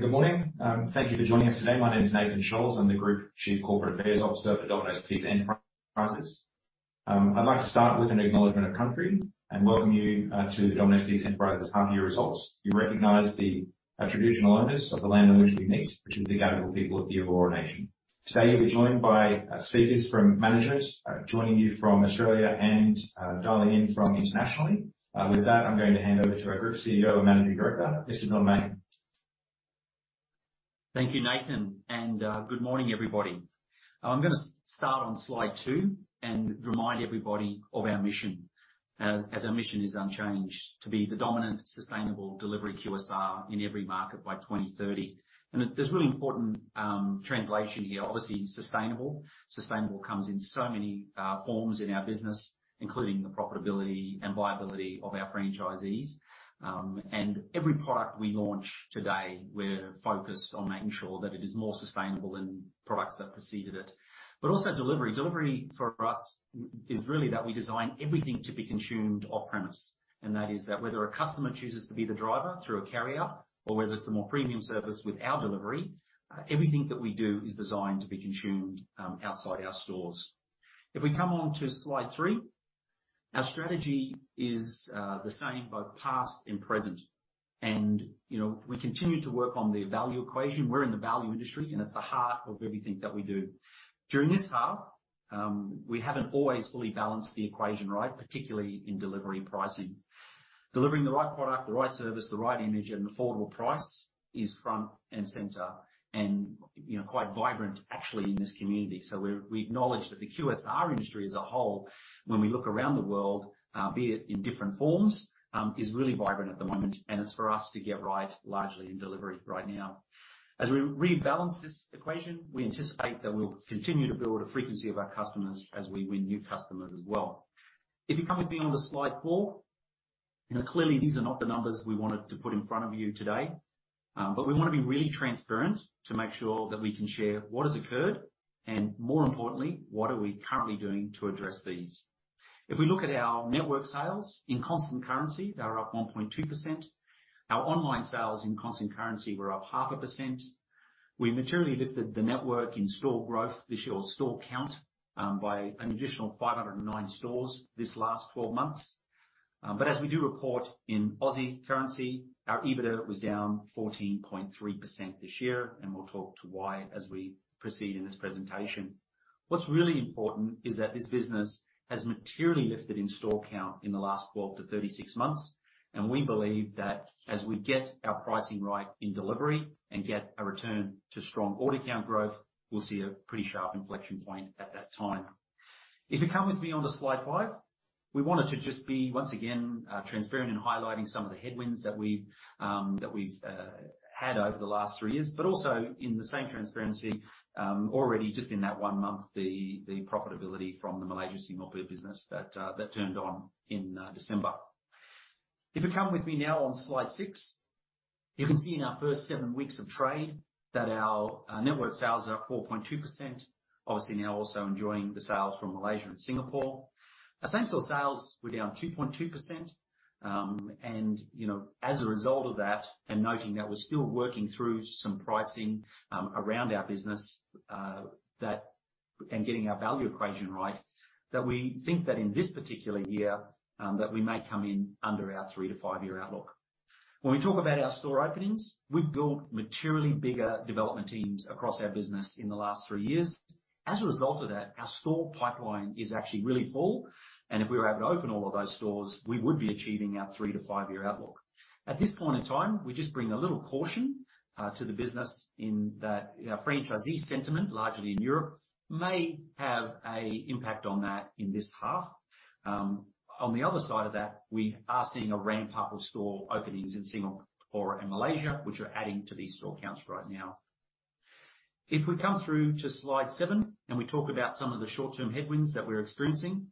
Good morning. Thank you for joining us today. My name is Nathan Scholz. I'm the Group Chief Corporate Affairs Officer for Domino's Pizza Enterprises. I'd like to start with an acknowledgement of country and welcome you to the Domino's Pizza Enterprises half year results. We recognize the traditional owners of the land on which we meet, which is the Gadigal people of the Eora nation. Today you'll be joined by speakers from managers, joining you from Australia and dialing in from internationally. With that, I'm going to hand over to our Group CEO and Managing Director, Mr. Don Meij. Thank you, Nathan, and good morning, everybody. I'm gonna start on slide two and remind everybody of our mission as our mission is unchanged: to be the dominant sustainable delivery QSR in every market by 2030. There's really important translation here. Obviously, sustainable. Sustainable comes in so many forms in our business, including the profitability and viability of our franchisees. Every product we launch today, we're focused on making sure that it is more sustainable than products that preceded it. Also delivery. Delivery for us is really that we design everything to be consumed off-premise, and that is that whether a customer chooses to be the driver through a carrier or whether it's a more premium service with our delivery, everything that we do is designed to be consumed outside our stores. If we come on to slide three, our strategy is the same, both past and present. You know, we continue to work on the value equation. We're in the value industry, and it's the heart of everything that we do. During this half, we haven't always fully balanced the equation right, particularly in delivery pricing. Delivering the right product, the right service, the right image, at an affordable price is front and center and you know, quite vibrant actually in this community. We acknowledge that the QSR industry as a whole, when we look around the world, be it in different forms, is really vibrant at the moment, and it's for us to get right largely in delivery right now. As we rebalance this equation, we anticipate that we'll continue to build a frequency of our customers as we win new customers as well. If you come with me onto slide four. You know, clearly these are not the numbers we wanted to put in front of you today, but we wanna be really transparent to make sure that we can share what has occurred and more importantly, what are we currently doing to address these. If we look at our network sales, in constant currency, they're up 1.2%. Our online sales in constant currency were up 0.5%. We materially lifted the network in store growth this year or store count, by an additional 509 stores this last 12 months. As we do report in AUD, our EBIT was down 14.3% this year, and we'll talk to why as we proceed in this presentation. What's really important is that this business has materially lifted in store count in the last 12-36 months, and we believe that as we get our pricing right in delivery and get a return to strong order count growth, we'll see a pretty sharp inflection point at that time. If you come with me onto slide 5. We wanted to just be, once again, transparent in highlighting some of the headwinds that we've that we've had over the last three years, but also in the same transparency, already just in that 1 month, the profitability from the Malaysia, Singapore business that turned on in December. If you come with me now on slide six, you can see in our first seven weeks of trade that our network sales are up 4.2%. Obviously now also enjoying the sales from Malaysia and Singapore. Essential sales were down 2.2%. You know, as a result of that, and noting that we're still working through some pricing around our business. Getting our value equation right, that we think that in this particular year, that we may come in under our 3-5-year outlook. When we talk about our store openings, we've built materially bigger development teams across our business in the last three years. As a result of that, our store pipeline is actually really full, and if we were able to open all of those stores, we would be achieving our 3-5-year outlook. At this point in time, we just bring a little caution to the business in that our franchisee sentiment, largely in Europe, may have a impact on that in this half. On the other side of that, we are seeing a ramp up of store openings in Singapore and Malaysia, which are adding to these store counts right now. If we come through to slide seven and we talk about some of the short-term headwinds that we're experiencing,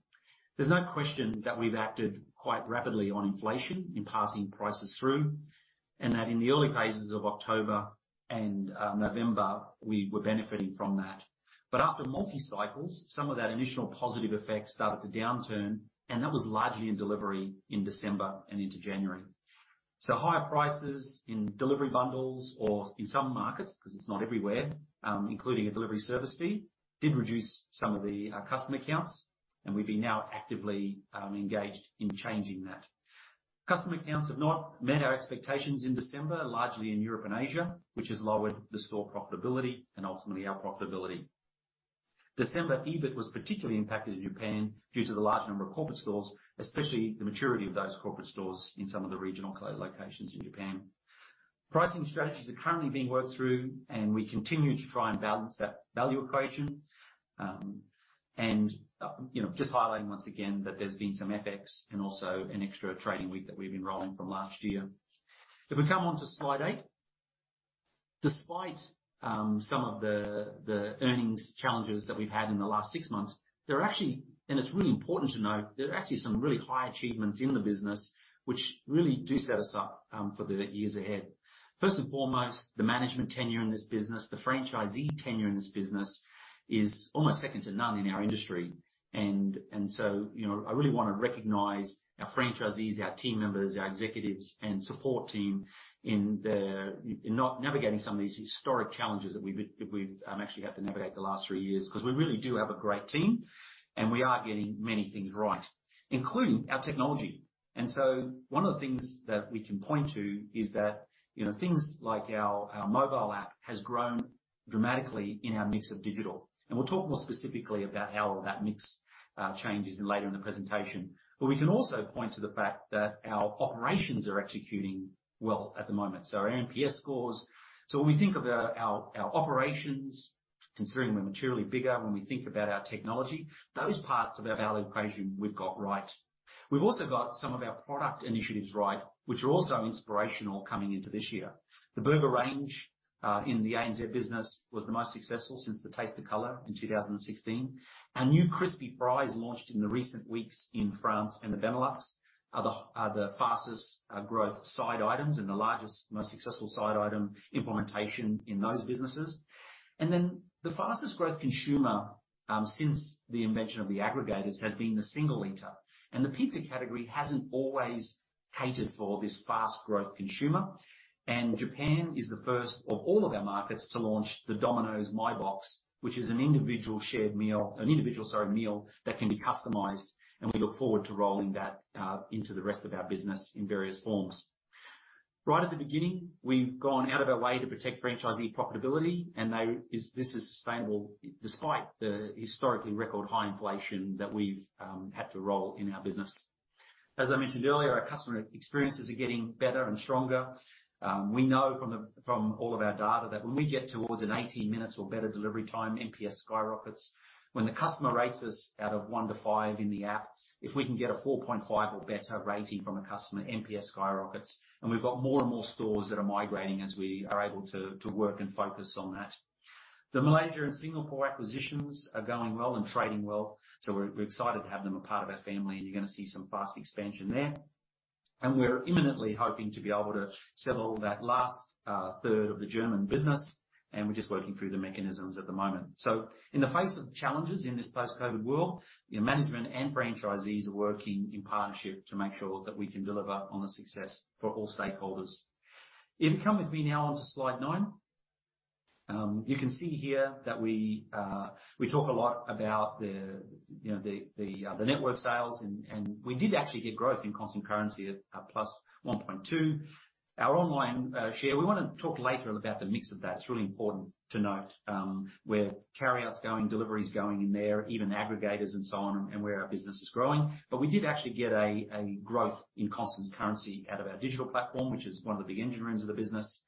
there's no question that we've acted quite rapidly on inflation in passing prices through, and that in the early phases of October and November, we were benefiting from that. After multi cycles, some of that initial positive effect started to downturn, and that was largely in delivery in December and into January. Higher prices in delivery bundles or in some markets, 'cause it's not everywhere, including a delivery service fee, did reduce some of the customer counts and we've been now actively engaged in changing that. Customer counts have not met our expectations in December, largely in Europe and Asia, which has lowered the store profitability and ultimately our profitability. December EBIT was particularly impacted in Japan due to the large number of corporate stores, especially the maturity of those corporate stores in some of the regional co-locations in Japan. Pricing strategies are currently being worked through, and we continue to try and balance that value equation. You know, just highlighting once again that there's been some FX and also an extra trading week that we've been rolling from last year. If we come onto slide 8. Despite some of the earnings challenges that we've had in the last 6 months, there are actually some really high achievements in the business which really do set us up for the years ahead. First and foremost, the management tenure in this business, the franchisee tenure in this business is almost second to none in our industry. You know, I really wanna recognize our franchisees, our team members, our executives and support team navigating some of these historic challenges that we've actually had to navigate the last 3 years. We really do have a great team and we are getting many things right, including our technology. One of the things that we can point to is that, you know, things like our mobile app has grown dramatically in our mix of digital. We'll talk more specifically about how that mix changes later in the presentation. We can also point to the fact that our operations are executing well at the moment. Our NPS scores. When we think about our operations, considering we're materially bigger, when we think about our technology, those parts of our value equation we've got right. We've also got some of our product initiatives right, which are also inspirational coming into this year. The Burger Range in the ANZ business was the most successful since the Taste the Colour in 2016. Our new Crispy Fries, launched in the recent weeks in France and the Benelux, are the fastest growth side items and the largest, most successful side item implementation in those businesses. The fastest growth consumer since the invention of the aggregators has been the single eater. The pizza category hasn't always catered for this fast growth consumer. Japan is the first of all of our markets to launch the Domino's My Box, which is an individual, sorry, meal that can be customized, and we look forward to rolling that into the rest of our business in various forms. Right at the beginning, we've gone out of our way to protect franchisee profitability, and this is sustainable despite the historically record high inflation that we've had to roll in our business. As I mentioned earlier, our customer experiences are getting better and stronger. We know from all of our data that when we get towards an 18 minutes or better delivery time, NPS skyrockets. When the customer rates us out of 1-5 in the app, if we can get a 4.5 or better rating from a customer, NPS skyrockets. We've got more and more stores that are migrating as we are able to work and focus on that. The Malaysia and Singapore acquisitions are going well and trading well, so we're excited to have them a part of our family, and you're gonna see some fast expansion there. We're imminently hoping to be able to settle that last third of the German business, and we're just working through the mechanisms at the moment. In the face of challenges in this post-COVID world, you know, management and franchisees are working in partnership to make sure that we can deliver on the success for all stakeholders. If you come with me now onto slide nine. You can see here that we talk a lot about the, you know, the network sales and we did actually get growth in constant currency at +1.2. Our online share, we wanna talk later about the mix of that. It's really important to note where carry out's going, delivery's going in there, even aggregators and so on, and where our business is growing. We did actually get a growth in constant currency out of our digital platform, which is one of the big engine rooms of the business.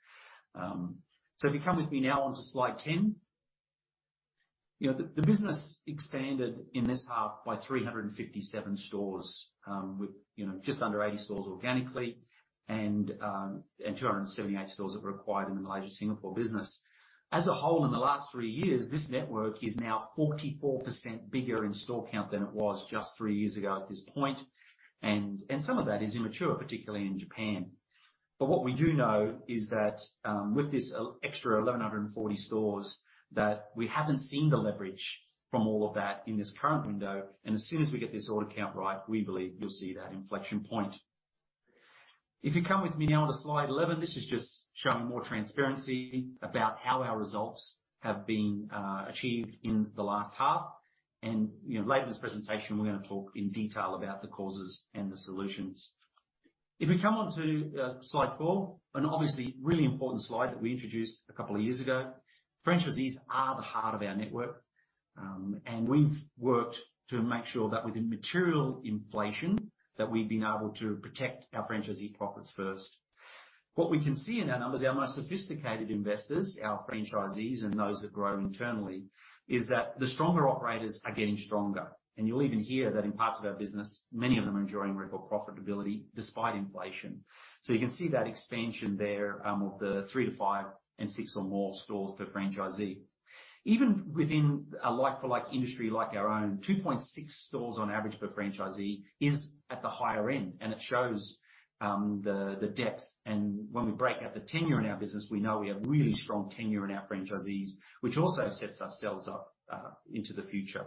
If you come with me now onto slide 10. You know, the business expanded in this half by 357 stores, with, you know, just under 80 stores organically and 278 stores that were acquired in the Malaysia/Singapore business. As a whole in the last three years, this network is now 44% bigger in store count than it was just 3 years ago at this point. Some of that is immature, particularly in Japan. What we do know is that, with this extra 1,140 stores, that we haven't seen the leverage from all of that in this current window. As soon as we get this order count right, we believe you'll see that inflection point. If you come with me now to slide 11, this is just showing more transparency about how our results have been achieved in the last half. You know, later in this presentation, we're gonna talk in detail about the causes and the solutions. If you come onto slide four, an obviously really important slide that we introduced a couple of years ago. Franchisees are the heart of our network, and we've worked to make sure that within material inflation, that we've been able to protect our franchisee profits first. What we can see in our numbers, our most sophisticated investors, our franchisees, and those that grow internally, is that the stronger operators are getting stronger. You'll even hear that in parts of our business, many of them are enjoying record profitability despite inflation. You can see that expansion there, of the 3-5 and six or more stores per franchisee. Even within a like-for-like industry like our own, 2.6 stores on average per franchisee is at the higher end, and it shows the depth. When we break out the tenure in our business, we know we have really strong tenure in our franchisees, which also sets ourselves up into the future.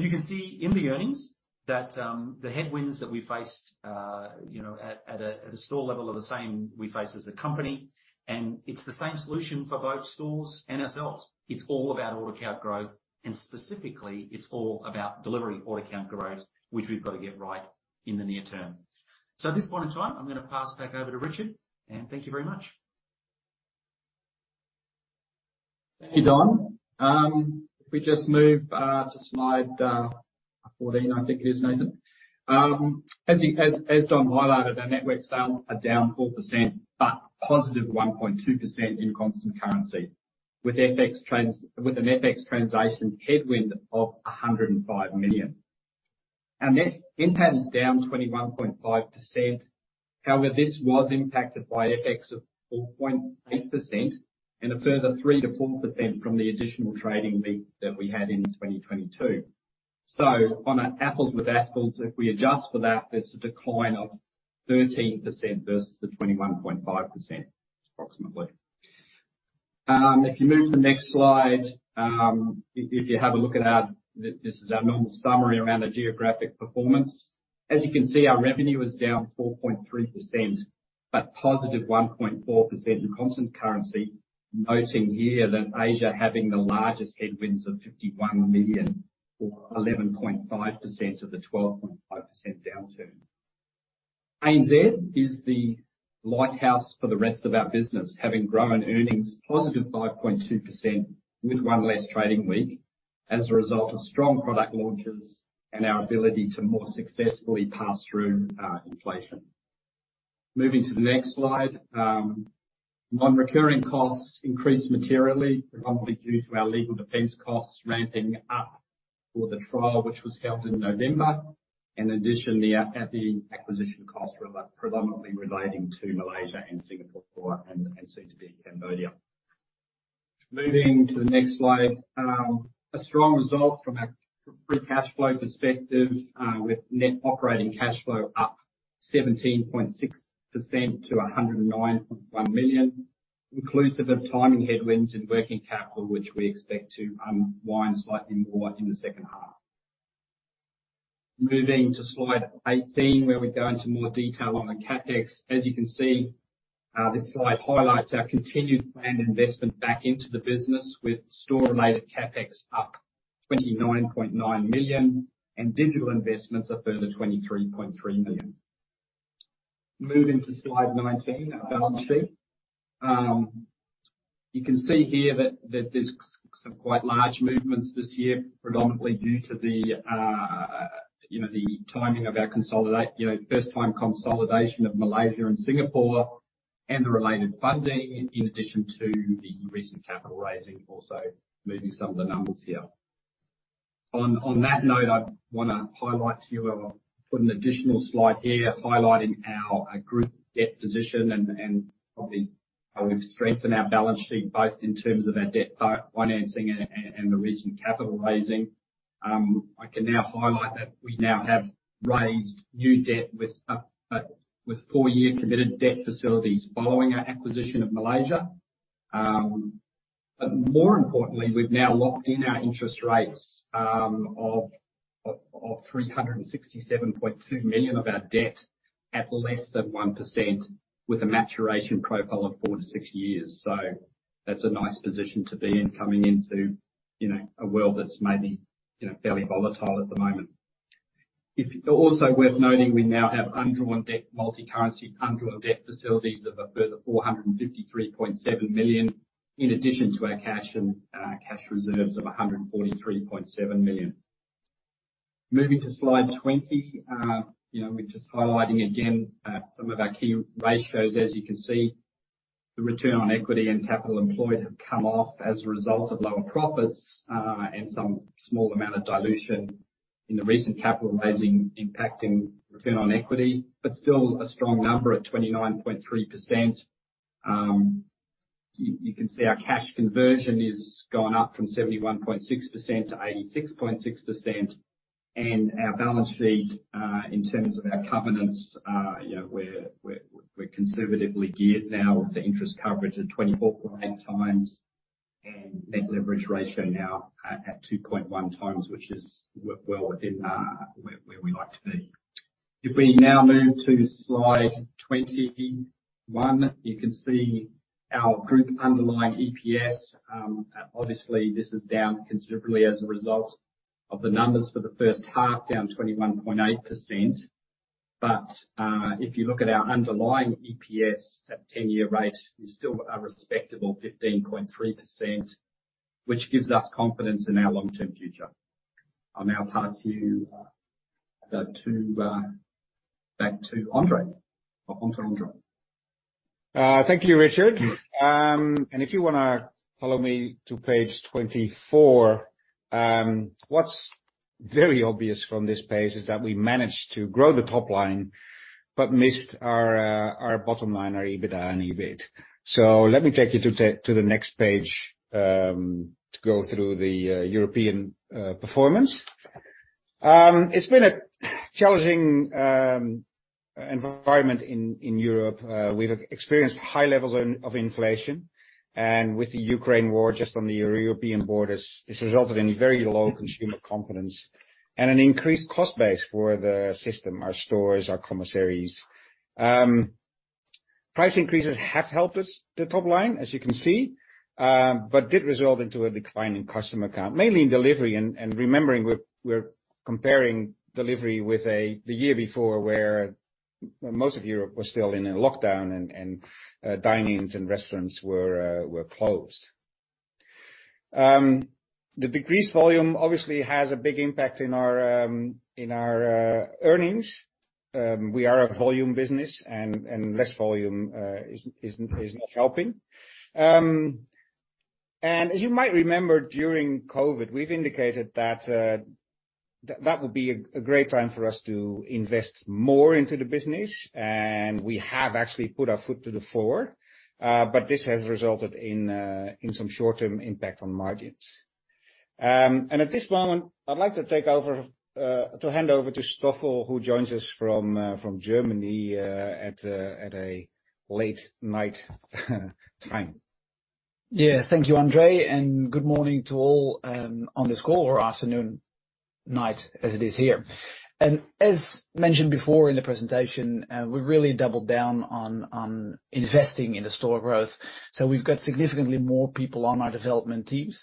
You can see in the earnings that the headwinds that we faced, you know, at a store level are the same we face as a company, and it's the same solution for both stores and ourselves. It's all about order count growth, and specifically it's all about delivering order count growth, which we've got to get right in the near term. At this point in time, I'm going to pass back over to Richard, and thank you very much. Thank you, Dom. If we just move to slide 14, I think it is, Nathan. As Dom highlighted, our network sales are down 4%, but positive 1.2% in constant currency. With an FX translation headwind of 105 million. Our net income's down 21.5%. However, this was impacted by FX of 4.8% and a further 3%-4% from the additional trading week that we had in 2022. On a apples with apples, if we adjust for that, there's a decline of 13% versus the 21.5%, approximately. If you move to the next slide, if you have a look at our this is our normal summary around the geographic performance. As you can see, our revenue was down 4.3%. Positive 1.4% in constant currency, noting here that Asia having the largest headwinds of 51 million, or 11.5% of the 12.5% downturn. ANZ is the lighthouse for the rest of our business, having grown earnings positive 5.2% with one less trading week as a result of strong product launches and our ability to more successfully pass through inflation. Moving to the next slide. Non-recurring costs increased materially, predominantly due to our legal defense costs ramping up for the trial, which was held in November. In addition, the acquisition costs predominantly relating to Malaysia and Singapore for and CTB Cambodia. Moving to the next slide. A strong result from a free cash flow perspective, with net operating cash flow up 17.6% to 109.1 million, inclusive of timing headwinds and working capital, which we expect to wind slightly more in the second half. Moving to slide 18, where we go into more detail on the CapEx. As you can see, this slide highlights our continued planned investment back into the business with store-related CapEx up 29.9 million and digital investments a further 23.3 million. Moving to slide 19, our balance sheet. You can see here that there's some quite large movements this year, predominantly due to the, you know, the timing of our first time consolidation of Malaysia and Singapore and the related funding in addition to the recent capital raising, also moving some of the numbers here. On that note, I wanna highlight to you, I've put an additional slide here highlighting our group debt position and probably how we've strengthened our balance sheet, both in terms of our debt financing and the recent capital raising. I can now highlight that we now have raised new debt with four-year committed debt facilities following our acquisition of Malaysia. More importantly, we've now locked in our interest rates of 367.2 million of our debt at less than 1% with a maturation profile of 4-6 years. That's a nice position to be in coming into, you know, a world that's maybe, you know, fairly volatile at the moment. It's also worth noting, we now have undrawn debt multi-currency, undrawn debt facilities of a further 453.7 million in addition to our cash and cash reserves of 143.7 million. Moving to slide 20. You know, we're just highlighting again, some of our key ratios. As you can see, the return on equity and capital employed have come off as a result of lower profits, and some small amount of dilution in the recent capital raising impacting return on equity. Still a strong number at 29.3%. You can see our cash conversion is gone up from 71.6% to 86.6%. Our balance sheet, in terms of our covenants, you know, we're conservatively geared now with the interest coverage at 24.8 times and net leverage ratio now at 2.1 times, which is well within where we like to be. We now move to slide 21, you can see our group underlying EPS. Obviously, this is down considerably as a result of the numbers for the first half down to 21.8%. If you look at our underlying EPS at 10-year rate is still a respectable 15.3%, which gives us confidence in our long-term future. I'll now pass you to back to Andre. On to Andre. Thank you, Richard. If you wanna follow me to page 24. What's very obvious from this page is that we managed to grow the top line but missed our bottom line, our EBITDA and EBIT. Let me take you to the next page to go through the European performance. It's been a challenging environment in Europe. We've experienced high levels of inflation, and with the Ukraine war just on the European borders, it's resulted in very low consumer confidence and an increased cost base for the system, our stores, our commissaries. Price increases have helped us, the top line, as you can see, did result into a decline in customer count, mainly in delivery. Remembering we're comparing delivery with the year before where most of Europe was still in a lockdown, and dine-ins and restaurants were closed. The decreased volume obviously has a big impact in our earnings. We are a volume business, and less volume is not helping. As you might remember during COVID, we've indicated that that would be a great time for us to invest more into the business, and we have actually put our foot to the floor. This has resulted in some short-term impact on margins. At this moment, I'd like to take over to hand over to Stoffel who joins us from Germany at a late night time. Thank you, Andre, and good morning to all on this call, or afternoon, night, as it is here. As mentioned before in the presentation, we really doubled down on investing in the store growth. So we've got significantly more people on our development teams.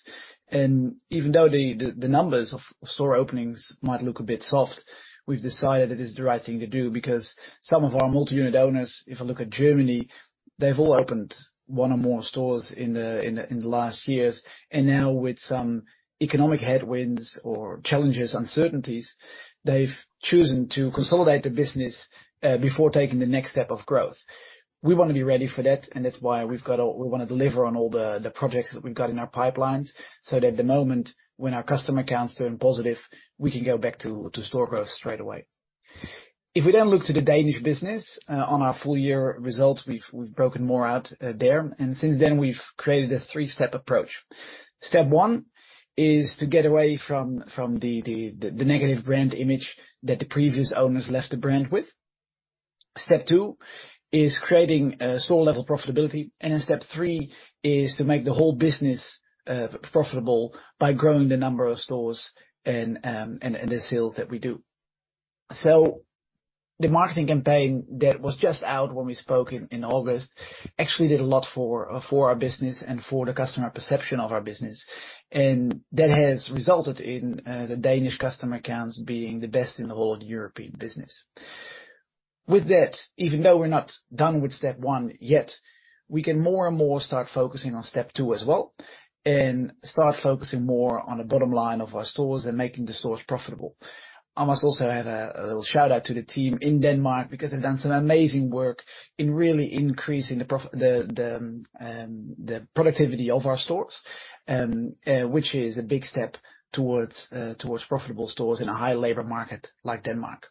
Even though the numbers of store openings might look a bit soft, we've decided it is the right thing to do because some of our multi-unit owners, if I look at Germany, they've all opened one or more stores in the last years. Now with some economic headwinds or challenges, uncertainties, they've chosen to consolidate the business before taking the next step of growth. We wanna be ready for that, and that's why we've got we wanna deliver on all the projects that we've got in our pipelines, so that the moment when our customer accounts turn positive, we can go back to store growth straightaway. If we then look to the Danish business on our full year results, we've broken more out there. Since then we've created a three-step approach. Step one is to get away from the negative brand image that the previous owners left the brand with. Step two is creating store-level profitability. Then Step three is to make the whole business profitable by growing the number of stores and the sales that we do. The marketing campaign that was just out when we spoke in August actually did a lot for our business and for the customer perception of our business. That has resulted in the Danish customer accounts being the best in the whole of the European business. With that, even though we're not done with step one yet, we can more and more start focusing on step two as well, and start focusing more on the bottom line of our stores and making the stores profitable. I must also add a little shout-out to the team in Denmark because they've done some amazing work in really increasing the productivity of our stores, which is a big step towards profitable stores in a high labor market like Denmark.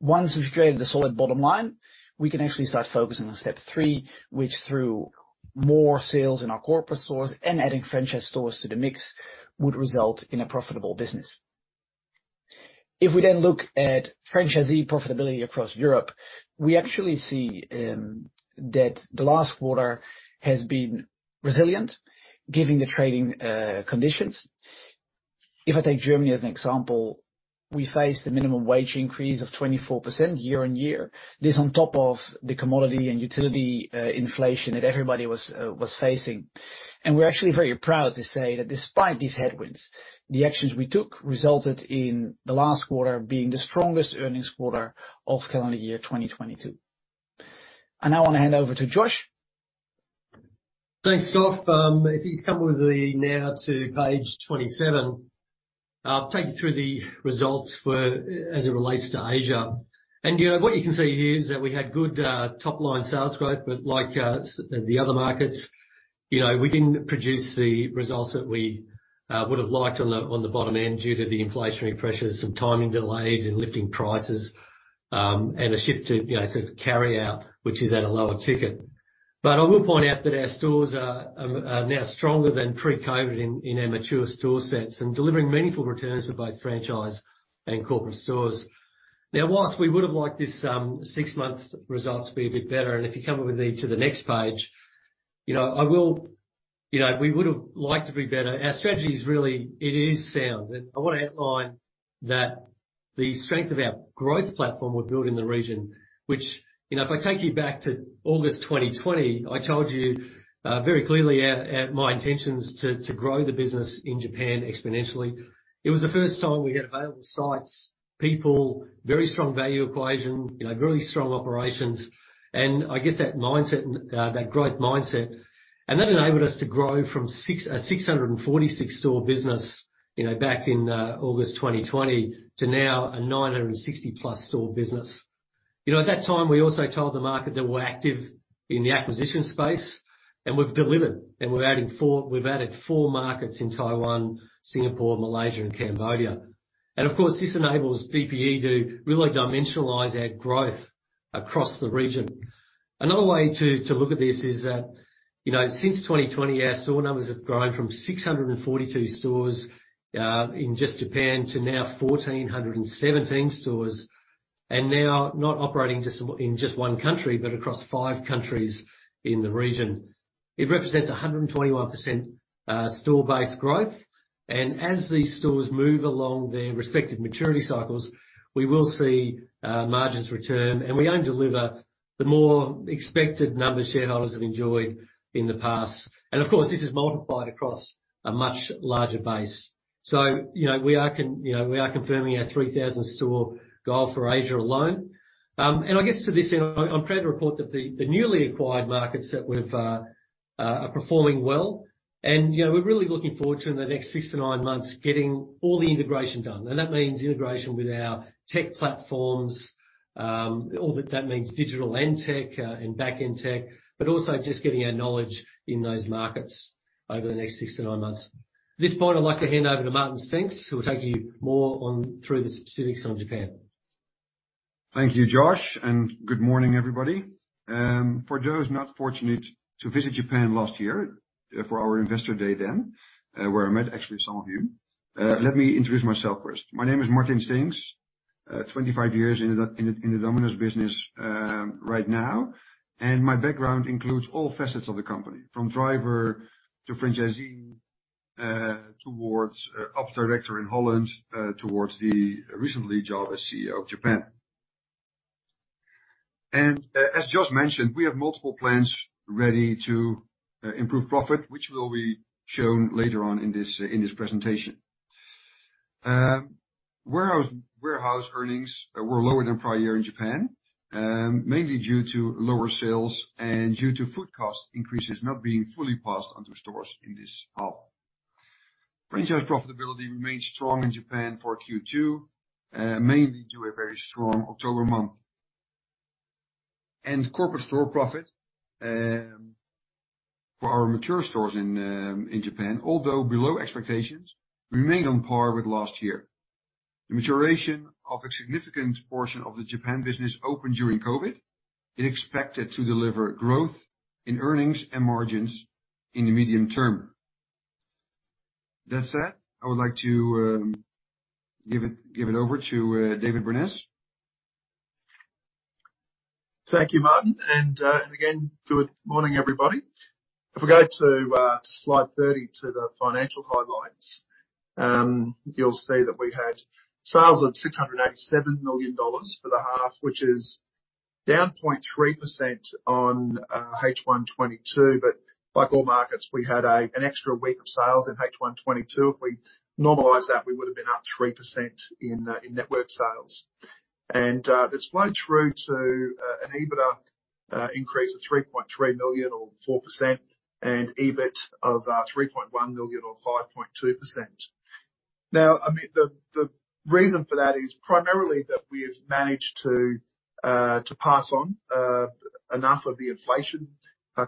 Once we've created a solid bottom line, we can actually start focusing on step three, which through more sales in our corporate stores and adding franchise stores to the mix, would result in a profitable business. We look at franchisee profitability across Europe, we actually see that the last quarter has been resilient given the trading conditions. I take Germany as an example, we faced a minimum wage increase of 24% year on year. This on top of the commodity and utility inflation that everybody was facing. We're actually very proud to say that despite these headwinds, the actions we took resulted in the last quarter being the strongest earnings quarter of calendar year 2022. I now wanna hand over to Josh. Thanks, Stoffel. If you come now to page 27, I'll take you through the results for, as it relates to Asia. you know, what you can see here is that we had good top-line sales growth, like the other markets, you know, we didn't produce the results that we would've liked on the bottom end due to the inflationary pressures, some timing delays in lifting prices, and a shift to, you know, sort of carry out, which is at a lower ticket. I will point out that our stores are now stronger than pre-COVID in our mature store sets and delivering meaningful returns for both franchise and corporate stores. While we would've liked this, six months results to be a bit better, and if you come up with me to the next page, you know, we would've liked to be better. Our strategy is really, it is sound. I wanna outline that the strength of our growth platform we've built in the region, which, you know, if I take you back to August 2020, I told you very clearly at my intentions to grow the business in Japan exponentially. It was the first time we had available sites, people, very strong value equation, you know, really strong operations. I guess that mindset, that growth mindset. That enabled us to grow from 646 store business, you know, back in August 2020 to now a 960+ store business. You know, at that time, we also told the market that we're active in the acquisition space, we've delivered, we've added 4 markets in Taiwan, Singapore, Malaysia, and Cambodia. Of course, this enables DPE to really dimensionalize our growth across the region. Another way to look at this is that, you know, since 2020, our store numbers have grown from 642 stores in just Japan to now 1,417 stores, and now not operating in just 1 country, but across five countries in the region. It represents 121% store-based growth. As these stores move along their respective maturity cycles, we will see margins return, and we aim to deliver the more expected numbers shareholders have enjoyed in the past. Of course, this is multiplied across a much larger base. You know, we are confirming our 3,000 store goal for Asia alone. I guess to this end, I'm proud to report that the newly acquired markets that we've are performing well. You know, we're really looking forward to in the next six to nine months getting all the integration done. That means integration with our tech platforms, all that means digital and tech, and back-end tech, but also just getting our knowledge in those markets over the next six to nine months. At this point, I'd like to hand over to Martin Steenks, who will take you more on through the specifics on Japan. Thank you, Josh, and good morning, everybody. For those not fortunate to visit Japan last year for our investor day then, where I met actually some of you, let me introduce myself first. My name is Martin Steenks. 25 years in the Domino's business right now. My background includes all facets of the company, from driver to franchising, towards op director in Holland, towards the recently job as CEO of Japan. As Josh mentioned, we have multiple plans ready to improve profit, which will be shown later on in this presentation. Warehouse earnings were lower than prior year in Japan, mainly due to lower sales and due to food cost increases not being fully passed on to stores in this half. Franchise profitability remained strong in Japan for Q2, mainly due a very strong October month. Corporate store profit for our mature stores in Japan, although below expectations, remained on par with last year. The maturation of a significant portion of the Japan business opened during COVID is expected to deliver growth in earnings and margins in the medium term. That said, I would like to give it over to David Burness. Thank you, Martin. Again, good morning, everybody. If we go to slide 30 to the financial highlights, you'll see that we had sales of 687 million dollars for the half, which is down 0.3% on H1 2022. Like all markets, we had an extra week of sales in H1 2022. If we normalize that, we would have been up 3% in network sales. That's flowed through to an EBITDA increase of 3.3 million or 4% and EBIT of 3.1 million or 5.2%. I mean, the reason for that is primarily that we've managed to pass on enough of the inflation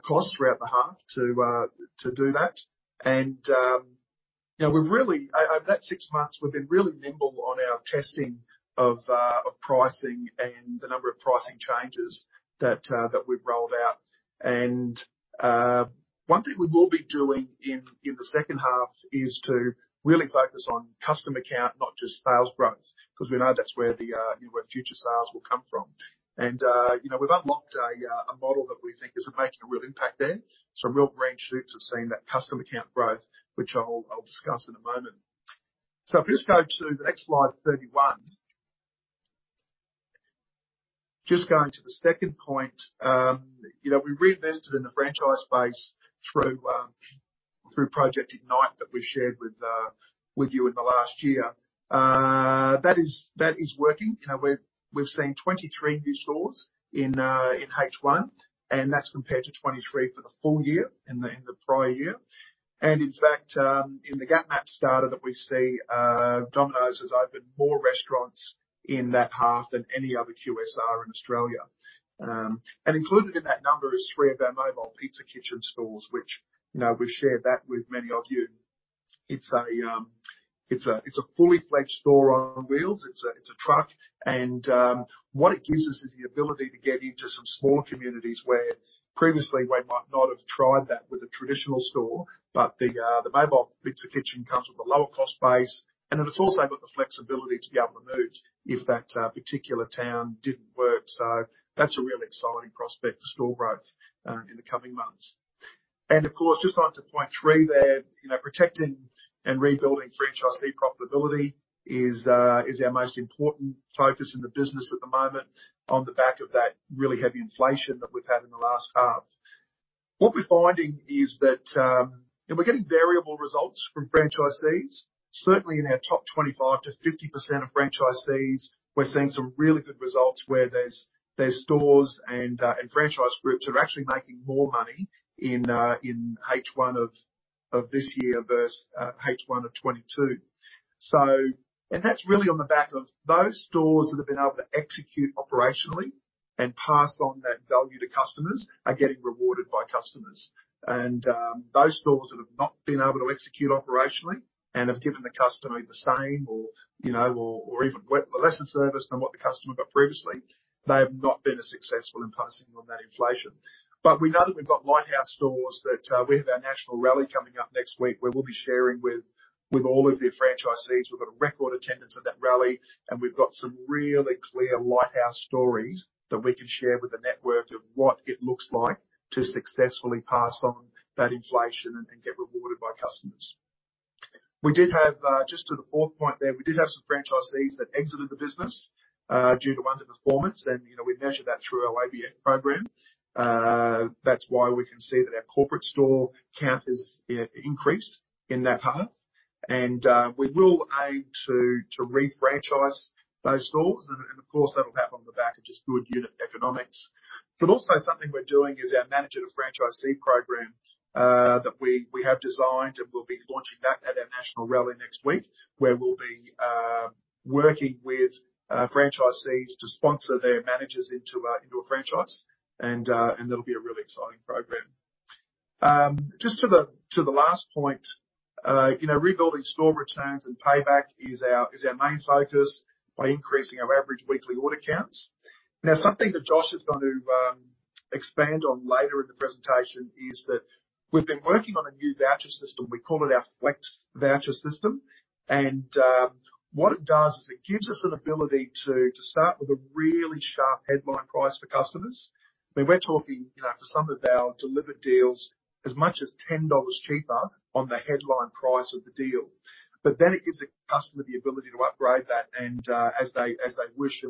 costs throughout the half to do that. You know, we're really over that six months, we've been really nimble on our testing of pricing and the number of pricing changes that we've rolled out. One thing we will be doing in the second half is to really focus on customer count, not just sales growth, because we know that's where the, where future sales will come from. You know, we've unlocked a model that we think is making a real impact there. Some real range groups have seen that customer count growth, which I'll discuss in a moment. If we just go to the next slide, 31. Just going to the second point. You know, we reinvested in the franchise space through Project Ignite that we shared with you in the last year. That is working. You know, we've seen 23 new stores in H1, that's compared to 23 for the full year in the prior year. In fact, in the Gap Map data that we see, Domino's has opened more restaurants in that half than any other QSR in Australia. Included in that number is three of our Mobile Pizza Kitchen stores, which, you know, we've shared that with many of you. It's a fully fledged store on wheels. It's a truck. What it gives us is the ability to get into some smaller communities where previously we might not have tried that with a traditional store. The Mobile Pizza Kitchen comes with a lower cost base, and it's also got the flexibility to be able to move if that particular town didn't work. That's a really exciting prospect for store growth in the coming months. Of course, just on to point 3 there. You know, protecting and rebuilding franchisee profitability is our most important focus in the business at the moment on the back of that really heavy inflation that we've had in the last half. What we're finding is that we're getting variable results from franchisees. Certainly in our top 25%-50% of franchisees, we're seeing some really good results where there's stores and franchise groups are actually making more money in H1 of this year versus H1 of 2022. That's really on the back of those stores that have been able to execute operationally and pass on that value to customers are getting rewarded by customers. Those stores that have not been able to execute operationally and have given the customer the same or lesser service than what the customer got previously, they have not been as successful in passing on that inflation. We know that we've got lighthouse stores that we have our national rally coming up next week where we'll be sharing with all of their franchisees. We've got a record attendance at that rally, and we've got some really clear lighthouse stories that we can share with the network of what it looks like to successfully pass on that inflation and get rewarded by customers. We did have, just to the fourth point there. We did have some franchisees that exited the business, due to underperformance. You know, we measure that through our ABF program. That's why we can see that our corporate store count has increased in that path. We will aim to re-franchise those stores. Of course, that'll happen on the back of just good unit economics. Also something we're doing is our manager to franchisee program, that we have designed, and we'll be launching that at our national rally next week, where we'll be working with franchisees to sponsor their managers into a franchise. That'll be a really exciting program. Just to the last point, you know, rebuilding store returns and payback is our main focus by increasing our average weekly order counts. Something that Josh is going to expand on later in the presentation is that we've been working on a new voucher system. We call it our Flexible Voucher system. What it does is it gives us an ability to start with a really sharp headline price for customers. I mean, we're talking, you know, for some of our delivered deals, as much as $10 cheaper on the headline price of the deal. It gives the customer the ability to upgrade that as they wish.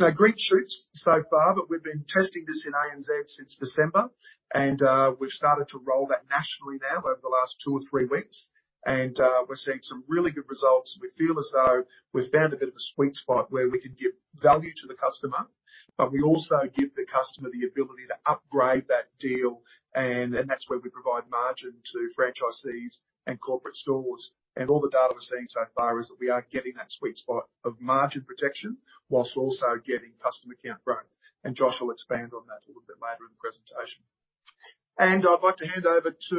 We... No green shoots so far, but we've been testing this in ANZ since December, and we've started to roll that nationally now over the last two or three weeks. We're seeing some really good results. We feel as though we've found a bit of a sweet spot where we can give value to the customer, but we also give the customer the ability to upgrade that deal. That's where we provide margin to franchisees and corporate stores. All the data we're seeing so far is that we are getting that sweet spot of margin protection whilst also getting customer count growth. Josh will expand on that a little bit later in the presentation. I'd like to hand over to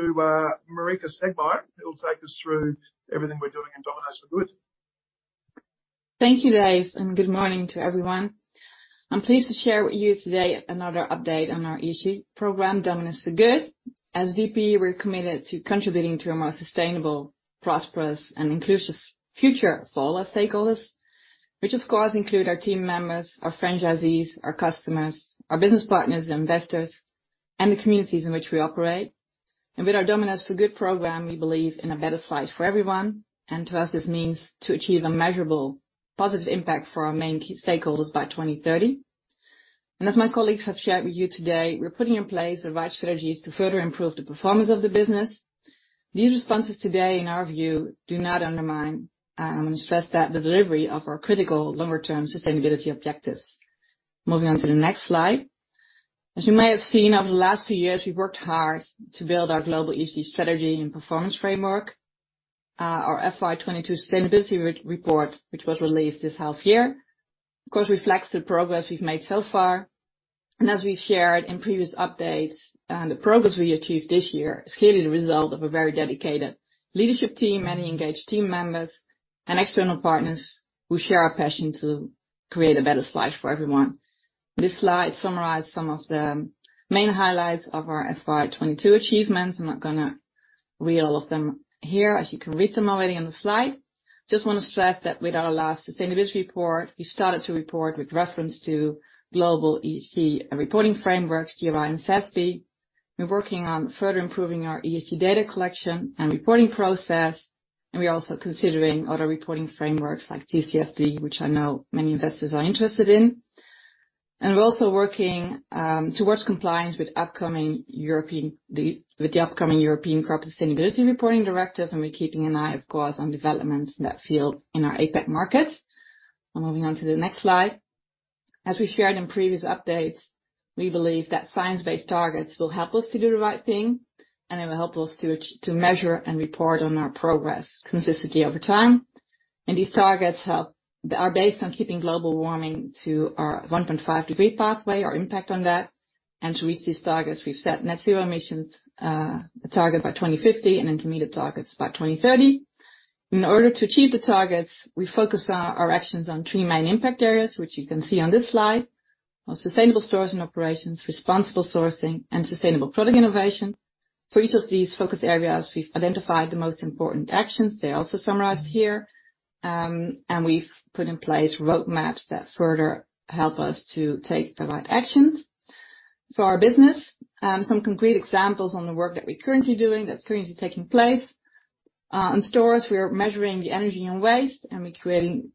Marika Stegmeijer, who will take us through everything we're doing in Domino's for Good. Thank you, Dave. Good morning to everyone. I'm pleased to share with you today another update on our ESG program, Domino's for Good. As VP, we're committed to contributing to a more sustainable, prosperous, and inclusive future for all our stakeholders, which of course include our team members, our franchisees, our customers, our business partners, investors, and the communities in which we operate. With our Domino's for Good program, we believe in a better slice for everyone. To us, this means to achieve a measurable positive impact for our main key stakeholders by 2030. As my colleagues have shared with you today, we're putting in place the right strategies to further improve the performance of the business. These responses today, in our view, do not undermine, I'm gonna stress that, the delivery of our critical longer-term sustainability objectives. Moving on to the next slide. As you may have seen over the last few years, we've worked hard to build our global ESG strategy and performance framework. Our FY22 sustainability re-report, which was released this half year, of course, reflects the progress we've made so far. As we've shared in previous updates, the progress we achieved this year is clearly the result of a very dedicated leadership team, many engaged team members and external partners who share our passion to create a better slice for everyone. This slide summarizes some of the main highlights of our FY22 achievements. I'm not gonna read all of them here, as you can read them already on the slide. Just wanna stress that with our last sustainability report, we started to report with reference to global ESG reporting frameworks, GRI and SASB. We're working on further improving our ESG data collection and reporting process, we're also considering other reporting frameworks like TCFD, which I know many investors are interested in. We're also working towards compliance with the upcoming European Corporate Sustainability Reporting Directive. We're keeping an eye, of course, on developments in that field in our APAC markets. Moving on to the next slide. As we shared in previous updates, we believe that science-based targets will help us to do the right thing, and it will help us to measure and report on our progress consistently over time. These targets are based on keeping global warming to our 1.5 degree pathway, our impact on that. To reach these targets, we've set net zero emissions target by 2050 and intermediate targets by 2030. In order to achieve the targets, we focus our actions on three main impact areas, which you can see on this slide. On sustainable stores and operations, responsible sourcing, and sustainable product innovation. For each of these focus areas, we've identified the most important actions. They're also summarized here. We've put in place roadmaps that further help us to take the right actions for our business. Some concrete examples on the work that we're currently doing, that's currently taking place. In stores, we are measuring the energy and waste, and we're creating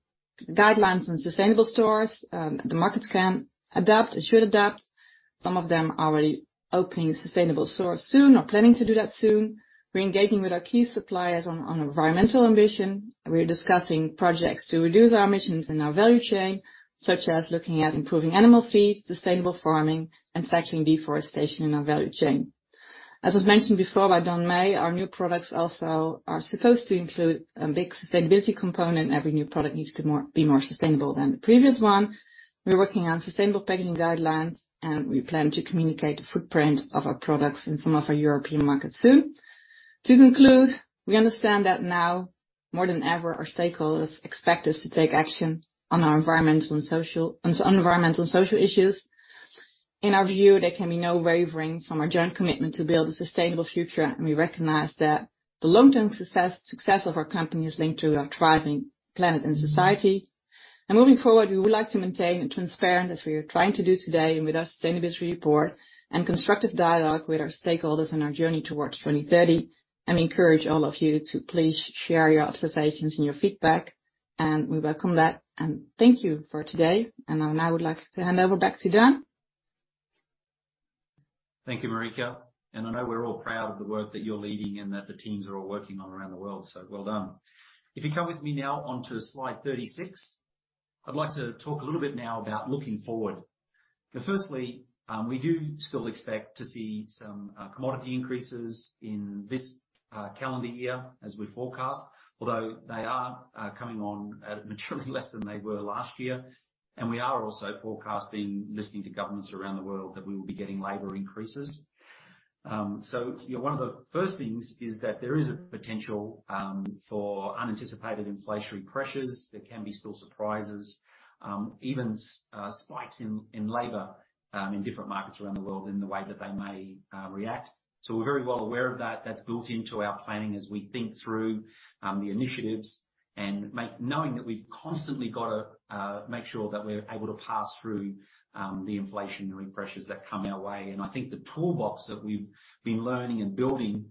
guidelines on sustainable stores, the markets can adapt and should adapt. Some of them are already opening sustainable stores soon or planning to do that soon. We're engaging with our key suppliers on environmental ambition. We're discussing projects to reduce our emissions in our value chain, such as looking at improving animal feed, sustainable farming, and tackling deforestation in our value chain. As was mentioned before by Don Meij, our new products also are supposed to include a big sustainability component. Every new product needs to be more sustainable than the previous one. We're working on sustainable packaging guidelines, and we plan to communicate the footprint of our products in some of our European markets soon. To conclude, we understand that now more than ever, our stakeholders expect us to take action on environmental social issues. In our view, there can be no wavering from our joint commitment to build a sustainable future, We recognize that the long-term success of our company is linked to a thriving planet and society. Moving forward, we would like to maintain a transparent, as we are trying to do today, and with our sustainability report and constructive dialogue with our stakeholders on our journey towards 2030. We encourage all of you to please share your observations and your feedback, and we welcome that. Thank you for today. I now would like to hand over back to Don. Thank you, Marieke. I know we're all proud of the work that you're leading and that the teams are all working on around the world. Well done. If you come with me now onto slide 36, I'd like to talk a little bit now about looking forward. Firstly, we do still expect to see some commodity increases in this calendar year as we forecast. Although they are coming on at materially less than they were last year. We are also forecasting, listening to governments around the world, that we will be getting labor increases. One of the first things is that there is a potential for unanticipated inflationary pressures. There can be still surprises, even spikes in labor, in different markets around the world in the way that they may react. We're very well aware of that. That's built into our planning as we think through the initiatives and knowing that we've constantly gotta make sure that we're able to pass through the inflationary pressures that come our way. I think the toolbox that we've been learning and building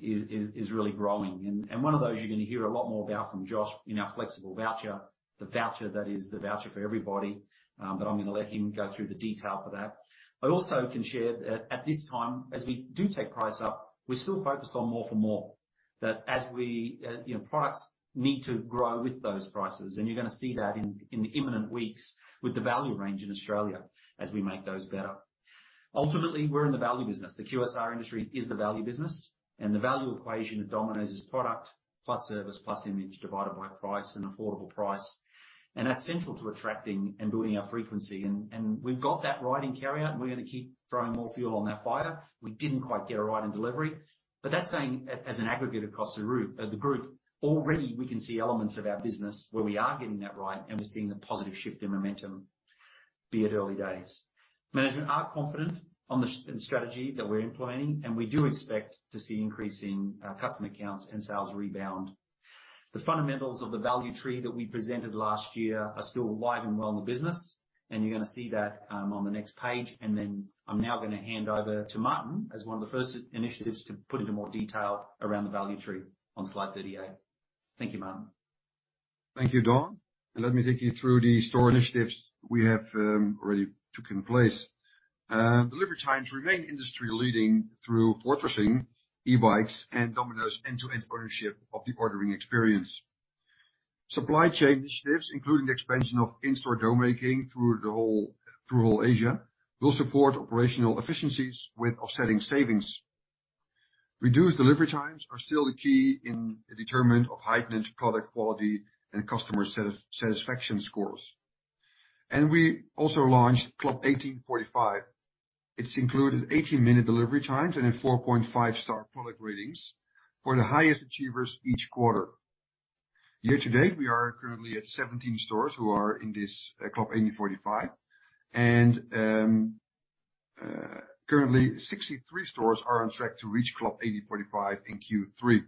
is really growing. One of those you're gonna hear a lot more about from Josh in our Flexible Voucher, the voucher that is the voucher for everybody, I'm gonna let him go through the detail for that. I also can share that at this time, as we do take price up, we're still focused on more for more, that as we, you know, products need to grow with those prices, and you're gonna see that in the imminent weeks with the value range in Australia as we make those better. Ultimately, we're in the value business. The QSR industry is the value business, and the value equation at Domino's is product plus service plus image divided by price and affordable price, and that's central to attracting and building our frequency. We've got that right in carryout, and we're gonna keep throwing more fuel on that fire. We didn't quite get it right in delivery. That's saying as an aggregate across the group. Already, we can see elements of our business where we are getting that right, and we're seeing the positive shift in momentum, be it early days. Management are confident on the strategy that we're employing, and we do expect to see increase in our customer counts and sales rebound. The fundamentals of the value tree that we presented last year are still alive and well in the business, and you're gonna see that on the next page. Then I'm now gonna hand over to Martin as one of the first initiatives to put into more detail around the value tree on slide 38. Thank you, Martin. Thank you, Don. Let me take you through the store initiatives we have already taken place. Delivery times remain industry-leading through fortressing e-bikes and Domino's end-to-end ownership of the ordering experience. Supply chain initiatives, including the expansion of in-store dough-making through whole Asia, will support operational efficiencies with offsetting savings. Reduced delivery times are still the key in the determinant of heightened product quality and customer satisfaction scores. We also launched Club 1845. It's included 18-minute delivery times and a 4.5-star product ratings for the highest achievers each quarter. Year-to-date, we are currently at 17 stores who are in this Club 1845, currently 63 stores are on track to reach Club 1845 in Q3.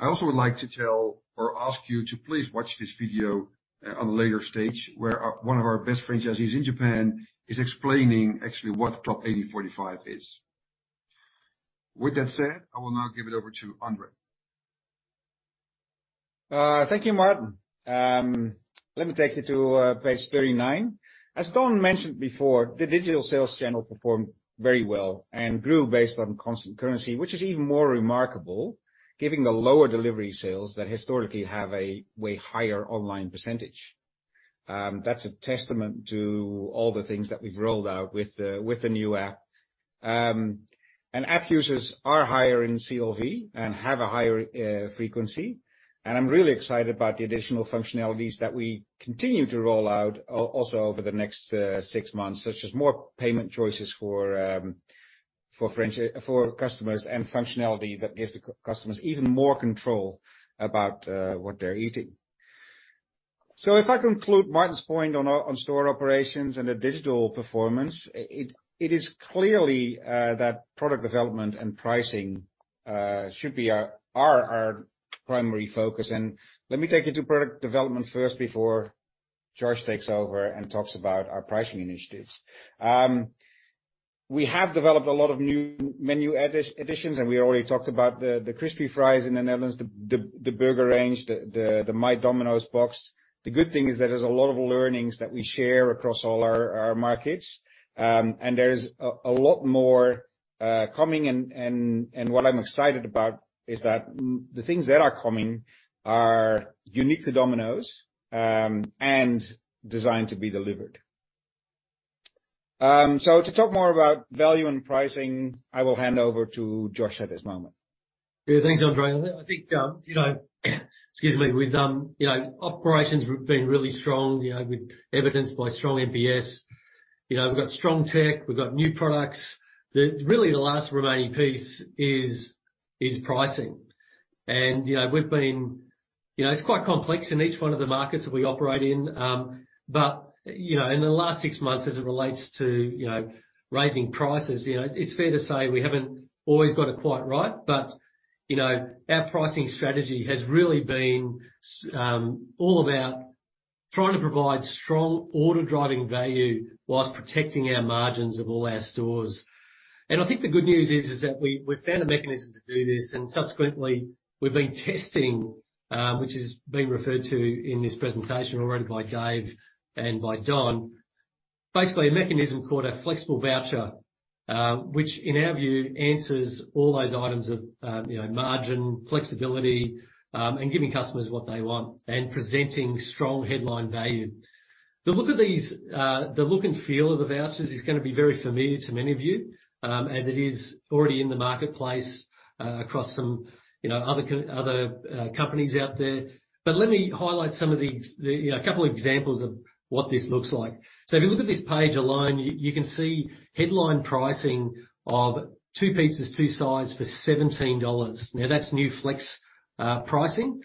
I also would like to tell or ask you to please watch this video, on a later stage, where one of our best franchisees in Japan is explaining actually what Club 1845 is. With that said, I will now give it over to Andre. Thank you, Martin. Let me take you to page 39. As Don mentioned before, the digital sales channel performed very well and grew based on constant currency, which is even more remarkable giving the lower delivery sales that historically have a way higher online percentage. That's a testament to all the things that we've rolled out with the new app. App users are higher in CLV and have a higher frequency. I'm really excited about the additional functionalities that we continue to roll out also over the next 6 months, such as more payment choices for customers and functionality that gives the customers even more control about what they're eating. If I conclude Martin's point on store operations and the digital performance, it is clearly that product development and pricing should be our primary focus. Let me take you to product development first before Josh takes over and talks about our pricing initiatives. We have developed a lot of new menu additions, and we already talked about the Crispy Fries in the Netherlands, the Burger Range, the My Box. The good thing is that there's a lot of learnings that we share across all our markets. There's a lot more coming, and what I'm excited about is that the things that are coming are unique to Domino's and designed to be delivered. To talk more about value and pricing, I will hand over to Josh at this moment. Yeah. Thanks, Andre. I think, you know, excuse me. With, you know, operations being really strong, you know, with evidence by strong NPS. You know, we've got strong tech, we've got new products. Really the last remaining piece is pricing. You know, we've been. You know, it's quite complex in each one of the markets that we operate in. You know, in the last six months as it relates to, you know, raising prices, you know, it's fair to say we haven't always got it quite right. You know, our pricing strategy has really been all about trying to provide strong order-driving value whilst protecting our margins of all our stores. I think the good news is that we've found a mechanism to do this, and subsequently we've been testing, which is being referred to in this presentation already by Dave and by Don. Basically, a mechanism called a Flexible Voucher, which, in our view, answers all those items of, you know, margin, flexibility, and giving customers what they want and presenting strong headline value. The look of these, the look and feel of the vouchers is gonna be very familiar to many of you, as it is already in the marketplace, across some, you know, other companies out there. Let me highlight some of these, the, you know, a couple of examples of. What this looks like. If you look at this page alone, you can see headline pricing of two pizzas, two sides for 17 dollars. Now that's new flex pricing.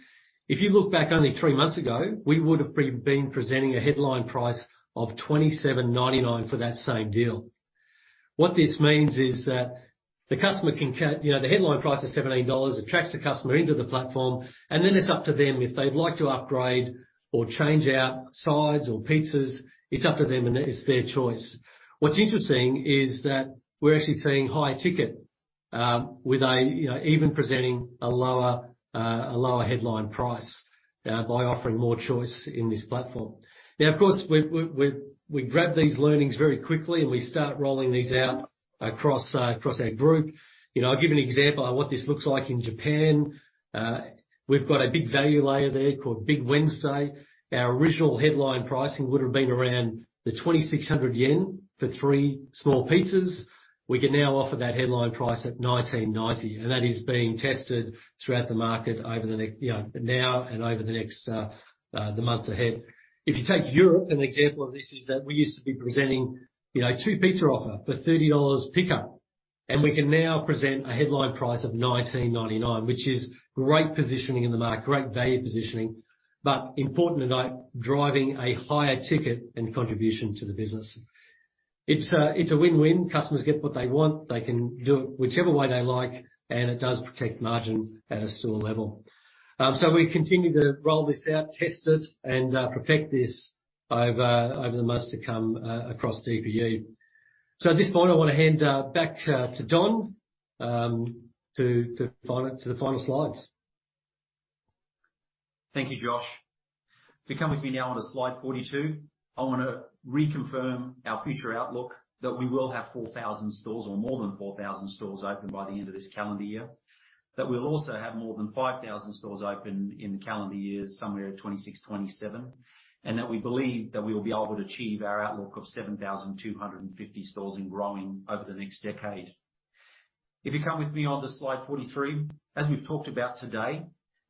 If you look back only three months ago, we would have been presenting a headline price of AUD 27.99 for that same deal. What this means is that the customer can tell, you know, the headline price is 17 dollars, attracts the customer into the platform, then it's up to them. If they'd like to upgrade or change out sides or pizzas, it's up to them, it's their choice. What's interesting is that we're actually seeing higher ticket, with a, you know, even presenting a lower, a lower headline price, by offering more choice in this platform. Now, of course, we grab these learnings very quickly, and we start rolling these out across our group. You know, I'll give you an example of what this looks like in Japan. We've got a big value layer there called Big Wednesday. Our original headline pricing would have been around the 2,600 yen for three small pizzas. We can now offer that headline price at 1,990 JPY, and that is being tested throughout the market over the next, you know, now and over the next months ahead. If you take Europe, an example of this is that we used to be presenting, you know, two pizza offer for $30 pickup. We can now present a headline price of $19.99, which is great positioning in the market, great value positioning, but important to note, driving a higher ticket and contribution to the business. It's a, it's a win-win. Customers get what they want. They can do it whichever way they like. It does protect margin at a store level. We continue to roll this out, test it, and perfect this over the months to come across DPE. At this point, I wanna hand back to Don to the final slides. Thank you, Josh. You come with me now onto slide 42. I want to reconfirm our future outlook that we will have 4,000 stores or more than 4,000 stores open by the end of this calendar year. We'll also have more than 5,000 stores open in the calendar year, somewhere at 2026, 2027, and that we believe that we will be able to achieve our outlook of 7,250 stores and growing over the next decade. You come with me onto slide 43. As we've talked about today,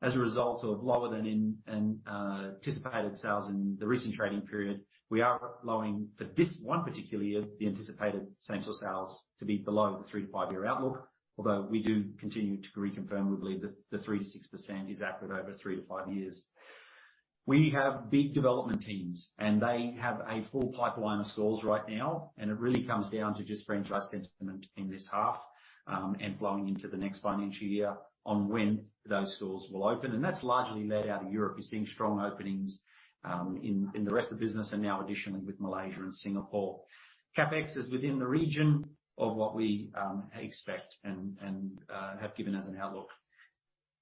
as a result of lower than anticipated sales in the recent trading period, we are allowing for this one particular year, the anticipated same store sales to be below the 3-5-year outlook. We do continue to reconfirm, we believe that the 3%-6% is accurate over 3-5 years. We have big development teams, and they have a full pipeline of stores right now, and it really comes down to just franchise sentiment in this half, and flowing into the next financial year on when those stores will open. That's largely led out of Europe. You're seeing strong openings in the rest of the business and now additionally with Malaysia and Singapore. CapEx is within the region of what we expect and have given as an outlook.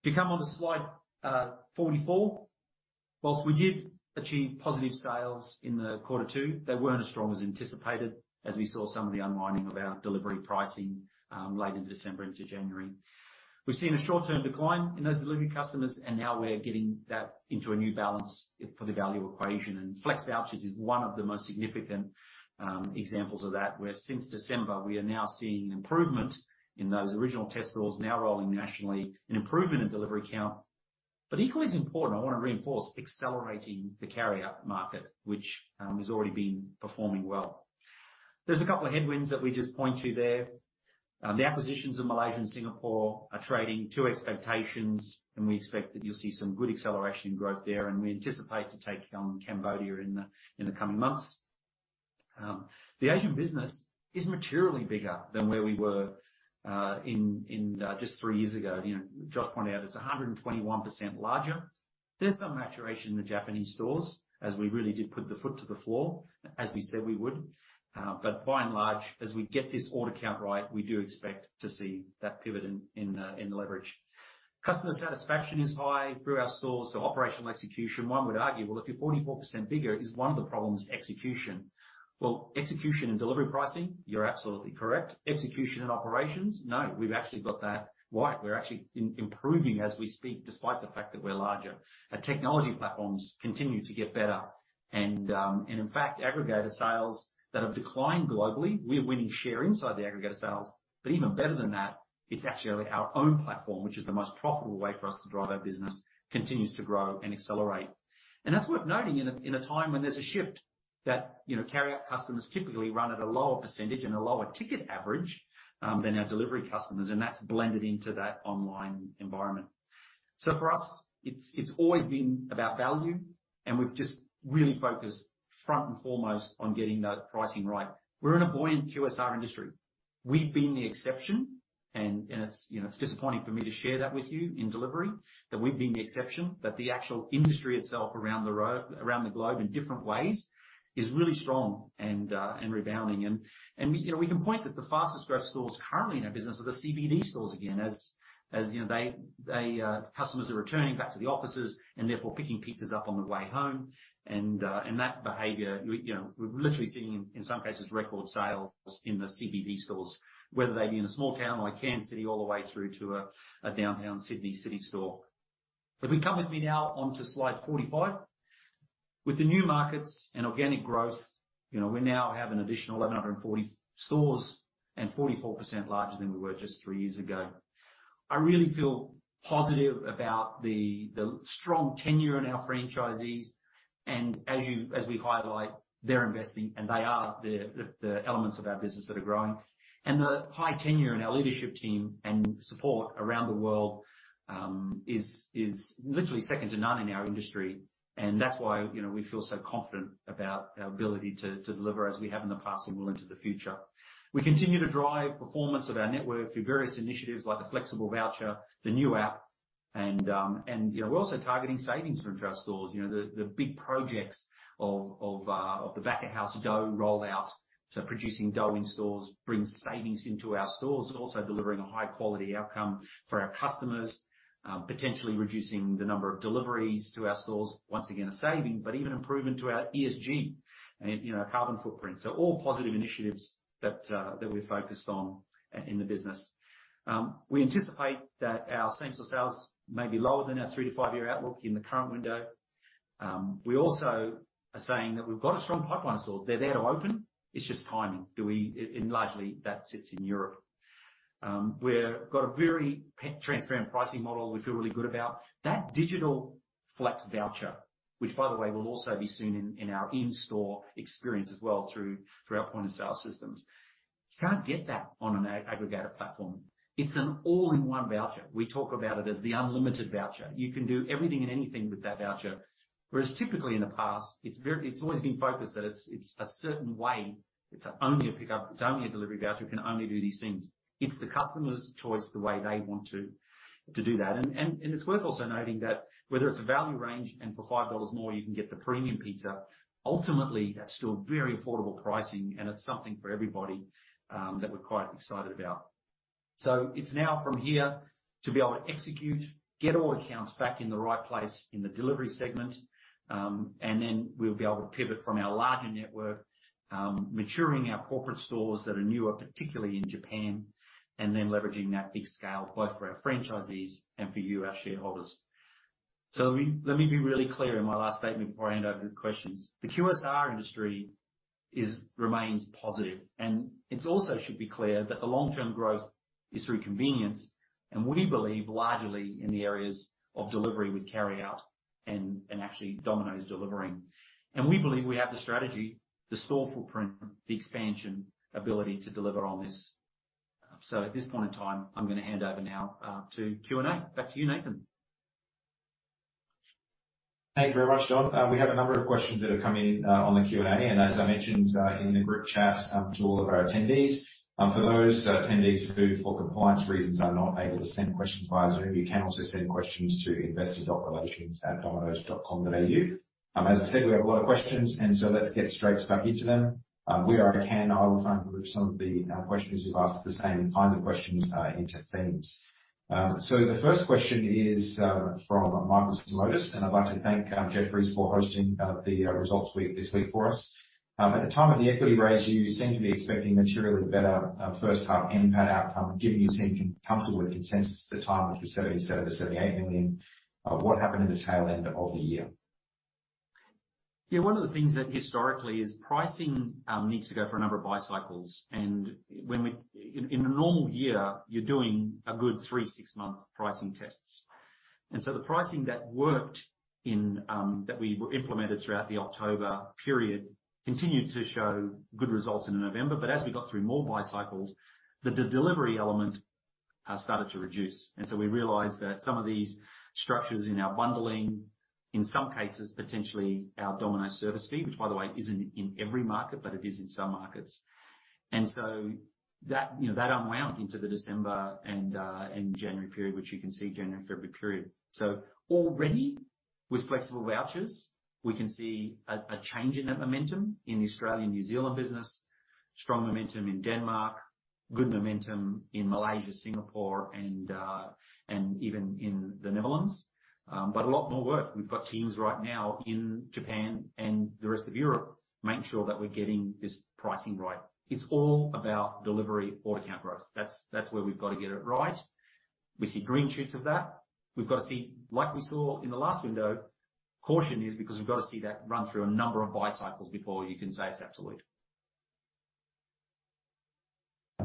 If you come onto slide 44. Whilst we did achieve positive sales in Q2, they weren't as strong as anticipated as we saw some of the unwinding of our delivery pricing late into December into January. We've seen a short-term decline in those delivery customers, now we're getting that into a new balance for the value equation. Flexible Vouchers is one of the most significant examples of that, where since December we are now seeing improvement in those original test stores now rolling nationally, an improvement in delivery count. Equally as important, I wanna reinforce accelerating the carry out market, which has already been performing well. There's a couple of headwinds that we just point to there. The acquisitions of Malaysia and Singapore are trading to expectations, we expect that you'll see some good acceleration in growth there, we anticipate to take on Cambodia in the coming months. The Asian business is materially bigger than where we were just three years ago. You know, Josh pointed out it's 121% larger. There's some maturation in the Japanese stores as we really did put the foot to the floor, as we said we would. By and large, as we get this order count right, we do expect to see that pivot in the leverage. Customer satisfaction is high through our stores. Operational execution, one would argue, well, if you're 44% bigger, is one of the problems execution? Well, execution and delivery pricing, you're absolutely correct. Execution and operations, no. We've actually got that right. We're actually improving as we speak, despite the fact that we're larger. Our technology platforms continue to get better. In fact, aggregator sales that have declined globally, we're winning share inside the aggregator sales. Even better than that, it's actually our own platform, which is the most profitable way for us to drive our business, continues to grow and accelerate. That's worth noting in a time when there's a shift that, you know, carry out customers typically run at a lower percentage and a lower ticket average than our delivery customers. That's blended into that online environment. For us, it's always been about value, and we've just really focused front and foremost on getting that pricing right. We're in a buoyant QSR industry. We've been the exception and it's, you know, it's disappointing for me to share that with you in delivery, that we've been the exception. The actual industry itself around the globe in different ways is really strong and rebounding. We, you know, we can point that the fastest growth stores currently in our business are the CBD stores again, as you know, they... Customers are returning back to the offices and therefore picking pizzas up on the way home. That behavior, we, you know, we're literally seeing in some cases record sales in the CBD stores, whether they be in a small town like Kansas City all the way through to a downtown Sydney City store. If you come with me now onto slide 45. With the new markets and organic growth, you know, we now have an additional 1,140 stores and 44% larger than we were just 3 years ago. I really feel positive about the strong tenure in our franchisees and as we highlight, they're investing and they are the elements of our business that are growing. The high tenure in our leadership team and support around the world is literally second to none in our industry. That's why, you know, we feel so confident about our ability to deliver as we have in the past and will into the future. We continue to drive performance of our network through various initiatives like the Flexible Voucher, the new app, and, you know, we're also targeting savings from our stores. You know, the big projects of the back of house dough rollout. Producing dough in stores brings savings into our stores, and also delivering a high quality outcome for our customers, potentially reducing the number of deliveries to our stores. Once again, a saving, but even improvement to our ESG and, you know, our carbon footprint. All positive initiatives that we're focused on in the business. We anticipate that our same store sales may be lower than our 3-5 year outlook in the current window. We also are saying that we've got a strong pipeline of stores. They're there to open. It's just timing. Largely that sits in Europe. We got a very transparent pricing model we feel really good about. That digital Flexible Voucher, which by the way, will also be seen in our in-store experience as well through our point of sale systems. You can't get that on an aggregator platform. It's an all-in-one voucher. We talk about it as the unlimited voucher. You can do everything and anything with that voucher. Whereas typically in the past it's always been focused that it's a certain way. It's only a pickup, it's only a delivery voucher. It can only do these things. It's the customer's choice, the way they want to do that. It's worth also noting that whether it's a value range and for 5 dollars more, you can get the premium pizza. Ultimately, that's still very affordable pricing and it's something for everybody that we're quite excited about. It's now from here to be able to execute, get all accounts back in the right place in the delivery segment, and then we'll be able to pivot from our larger network, maturing our corporate stores that are newer, particularly in Japan, and then leveraging that big scale both for our franchisees and for you, our shareholders. Let me be really clear in my last statement before I hand over to questions. The QSR industry remains positive, and it also should be clear that the long term growth is through convenience, and we believe largely in the areas of delivery with carryout and actually Domino's delivering. And we believe we have the strategy, the store footprint, the expansion ability to deliver on this. At this point in time, I'm gonna hand over now to Q&A. Back to you, Nathan. Thank you very Don. We have a number of questions that have come in on the Q&A. As I mentioned in the group chat to all of our attendees. For those attendees who, for compliance reasons, are not able to send questions via Zoom, you can also send questions to investor.relations@dominos.com.au. As I said, we have a lot of questions and so let's get straight stuck into them. Where I can, I will try and group some of the questions who've asked the same kinds of questions into themes. The first question is from Michael Simotas, and I'd like to thank Jefferies for hosting the results week this week for us. At the time of the equity raise, you seemed to be expecting materially better, first half NPAT outcome given you seemed comfortable with consensus at the time, which was 77 million-78 million. What happened in the tail end of the year? Yeah, one of the things that historically is pricing, needs to go for a number of buy cycles. In a normal year, you're doing a good three, six-month pricing tests. The pricing that worked in, that we implemented throughout the October period continued to show good results into November. As we got through more buy cycles, the delivery element started to reduce. We realized that some of these structures in our bundling, in some cases, potentially our Domino's service fee, which by the way, isn't in every market, but it is in some markets. That, you know, that unwound into the December and January period, which you can see January, February period. Already with Flexible Vouchers, we can see a change in that momentum in the Australian, New Zealand business. Strong momentum in Denmark, good momentum in Malaysia, Singapore and even in the Netherlands. A lot more work. We've got teams right now in Japan and the rest of Europe, making sure that we're getting this pricing right. It's all about delivery order count growth. That's where we've got to get it right. We see green shoots of that. We've got to see, like we saw in the last window, caution is because we've got to see that run through a number of buy cycles before you can say it's absolute.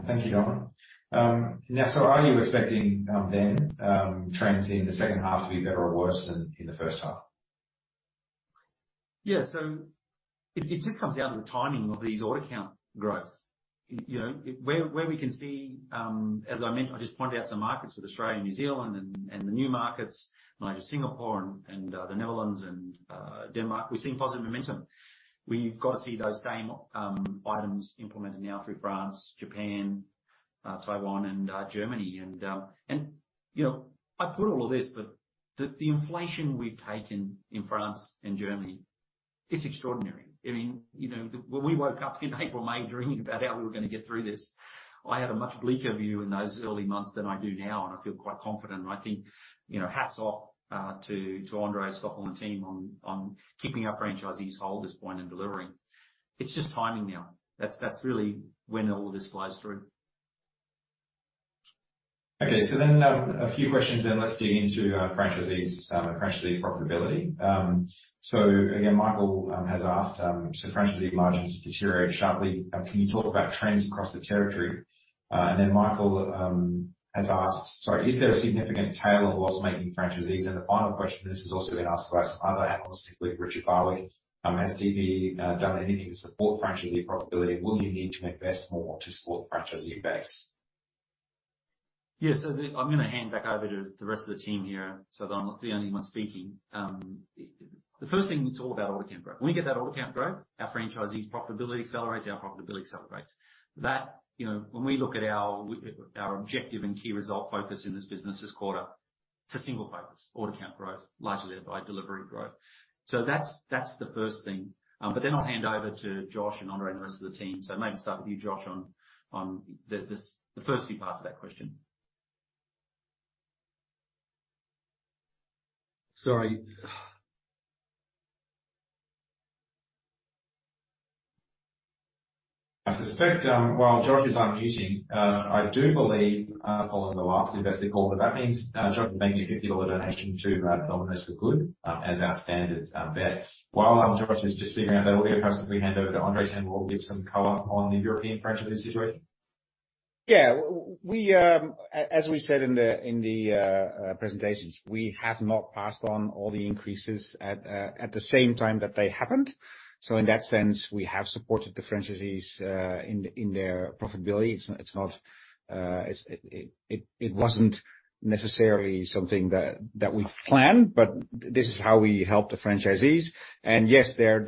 Thank you, Don. now, are you expecting, then, trends in the second half to be better or worse than in the first half? It just comes down to the timing of these order count growths. You know, where we can see, as I mentioned, I just pointed out some markets with Australia and New Zealand and the new markets, Malaysia, Singapore and, the Netherlands and, Denmark. We're seeing positive momentum. We've got to see those same items implemented now through France, Japan, Taiwan and, Germany. You know, I put all of this, but the inflation we've taken in France and Germany is extraordinary. I mean, you know, when we woke up in April, May, dreaming about how we were gonna get through this, I had a much bleaker view in those early months than I do now, and I feel quite confident. I think, you know, hats off, to Andre, Stoffel team on keeping our franchisees whole at this point and delivering. It's just timing now. That's really when all this flows through. Okay, a few questions then. Let's dig into franchisees and franchisee profitability. Again, Michael has asked, so franchisee margins have deteriorated sharply. Can you talk about trends across the territory? Michael has asked, sorry, is there a significant tail of loss-making franchisees? The final question, this has also been asked by some other analysts, including Richard Barley. Has DP done anything to support franchisee profitability? Will you need to invest more to support the franchisee base? Yeah. I'm gonna hand back over to the rest of the team here so that I'm not the only one speaking. The first thing, it's all about order count growth. When we get that order count growth, our franchisees' profitability accelerates, our profitability accelerates. That, you know, when we look at our objective and key result focus in this business this quarter, it's a single focus: order count growth, largely led by delivery growth. That's the first thing. I'll hand over to Josh and Andre and the rest of the team. Maybe start with you, Josh, on the first few parts of that question? Sorry. I suspect, while Josh is unmuting, I do believe Colin's the last investor call, but that means Josh will make a 50 dollar donation to Domino's for Good as our standard bet. While Josh is just figuring that out, we'll gracefully hand over to Andre, and we'll give some color on the European franchisee situation. Yeah. As we said in the presentations, we have not passed on all the increases at the same time that they happened. In that sense, we have supported the franchisees in their profitability. It's not, it wasn't necessarily something that we planned, but this is how we help the franchisees. Yes, their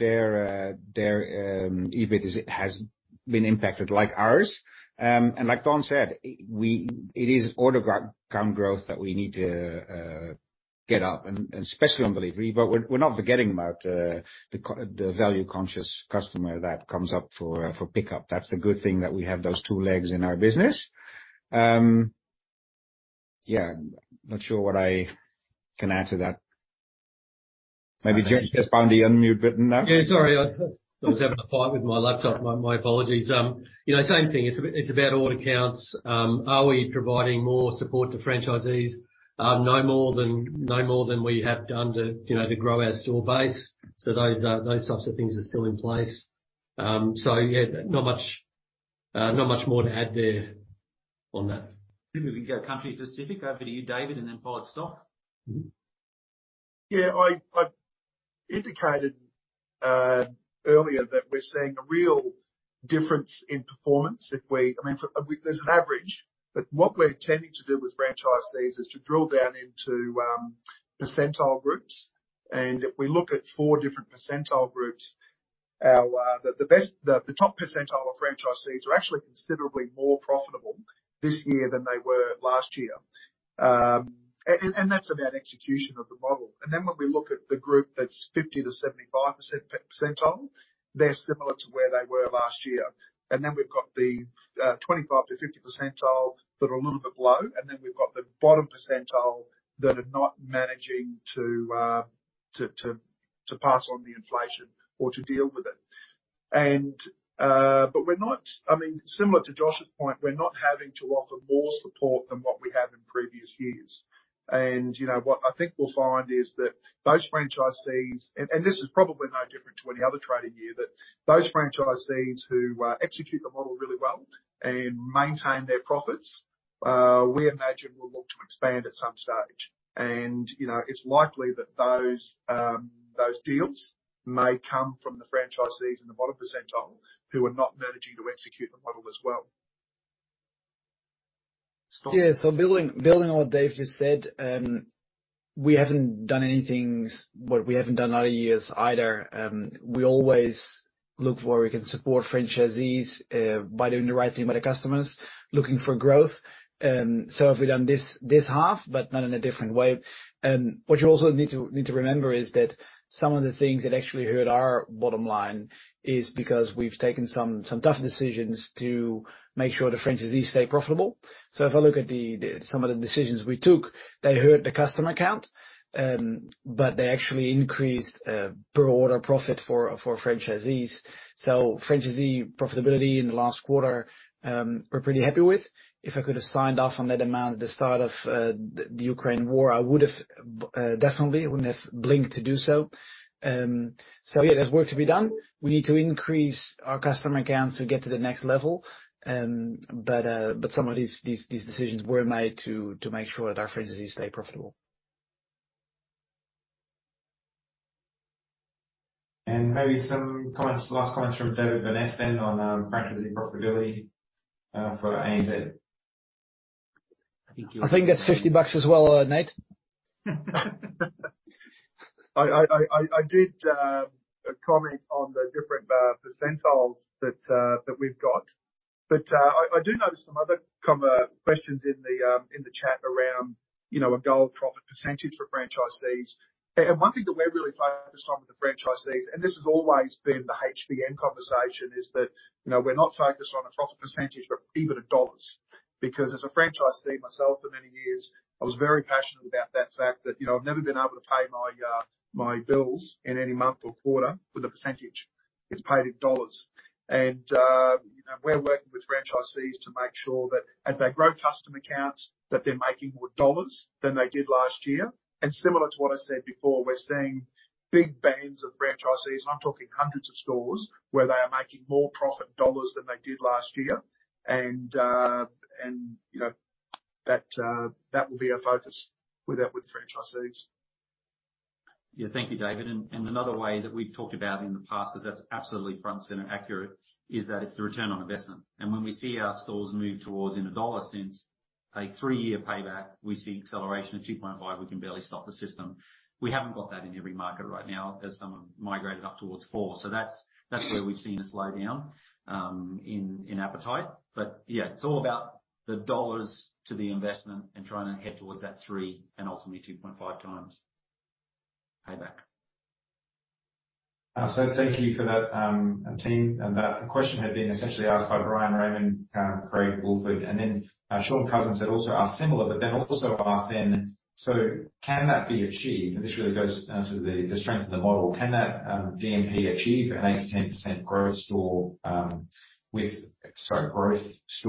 EBIT has been impacted like ours. And like Don said, it is order count growth that we need to get up and especially on delivery. We're not forgetting about the value conscious customer that comes up for pickup. That's the good thing, that we have those two legs in our business. Yeah. Not sure what I can add to that. Maybe just press the unmute button now. Yeah, sorry. I was having a fight with my laptop. My, my apologies. you know, same thing. It's about order counts. Are we providing more support to franchisees? no more than we have done to, you know, to grow our store base. Those types of things are still in place. Yeah, not much more to add there on that. If we can go country specific. Over to you, David, and then follow it, Stoffel. Yeah. I indicated earlier that we're seeing a real difference in performance if we. I mean, there's an average, but what we're tending to do with franchisees is to drill down into percentile groups. If we look at four different percentile groups, our the top percentile of franchisees are actually considerably more profitable this year than they were last year. and that's about execution of the model. Then when we look at the group that's 50 to 75% percentile, they're similar to where they were last year. Then we've got the 25-50 percentile that are a little bit low. Then we've got the bottom percentile that are not managing to pass on the inflation or to deal with it. I mean, similar to Josh's point, we're not having to offer more support than what we have in previous years. You know, what I think we'll find is that those franchisees, and this is probably no different to any other trading year, that those franchisees who execute the model really well and maintain their profits, we imagine will look to expand at some stage. You know, it's likely that those deals may come from the franchisees in the bottom percentile who are not managing to execute the model as well. Stoffel. Yeah. Building on what Dave just said, we haven't done anything what we haven't done other years either. We always look where we can support franchisees, by doing the right thing by the customers looking for growth. Have we done this half, but not in a different way. What you also need to remember is that some of the things that actually hurt our bottom line is because we've taken some tough decisions to make sure the franchisees stay profitable. If I look at the some of the decisions we took, they hurt the customer count, but they actually increased, per order profit for franchisees. Franchisee profitability in the last quarter, we're pretty happy with. If I could have signed off on that amount at the start of, the Ukraine War, I would have, definitely. I wouldn't have blinked to do so. Yeah, there's work to be done. We need to increase our customer counts to get to the next level. Some of these decisions were made to make sure that our franchisees stay profitable. Maybe some comments, last comments from David Burness then on, franchisee profitability, for ANZ. I think that's 50 bucks as well, Nate. I did comment on the different percentiles that that we've got. I do notice some other kind of questions in the chat around, you know, a goal profit % for franchisees. One thing that we're really focused on with the franchisees, and this has always been the HBN conversation, is that, you know, we're not focused on a profit % or even a dollars, because as a franchisee myself for many years, I was very passionate about that fact that, you know, I've never been able to pay my bills in any month or quarter with a %. Is paid in AUD. You know, we're working with franchisees to make sure that as they grow customer counts, that they're making more AUD than they did last year. Similar to what I said before, we're seeing big bands of franchisees, and I'm talking hundreds of stores, where they are making more profit AUD than they did last year. You know, that will be our focus with the franchisees. Thank you, David. Another way that we've talked about in the past, 'cause that's absolutely front and center accurate, is that it's the return on investment. When we see our stores move towards, in a dollar sense, a three-year payback, we see acceleration of 2.5, we can barely stock the system. We haven't got that in every market right now as some have migrated up towards 4. That's where we've seen a slowdown in appetite. Yeah, it's all about the dollars to the investment and trying to head towards that 3 and ultimately 2.5 times payback. Thank you for that, team. That question had been essentially asked by Bryan Raymond, Craig Woolford, Shaun Cousins had also asked similar, but then also asked: Can that be achieved? This really goes down to the strength of the model. Can that DMP achieve an 8%-10% growth store, with store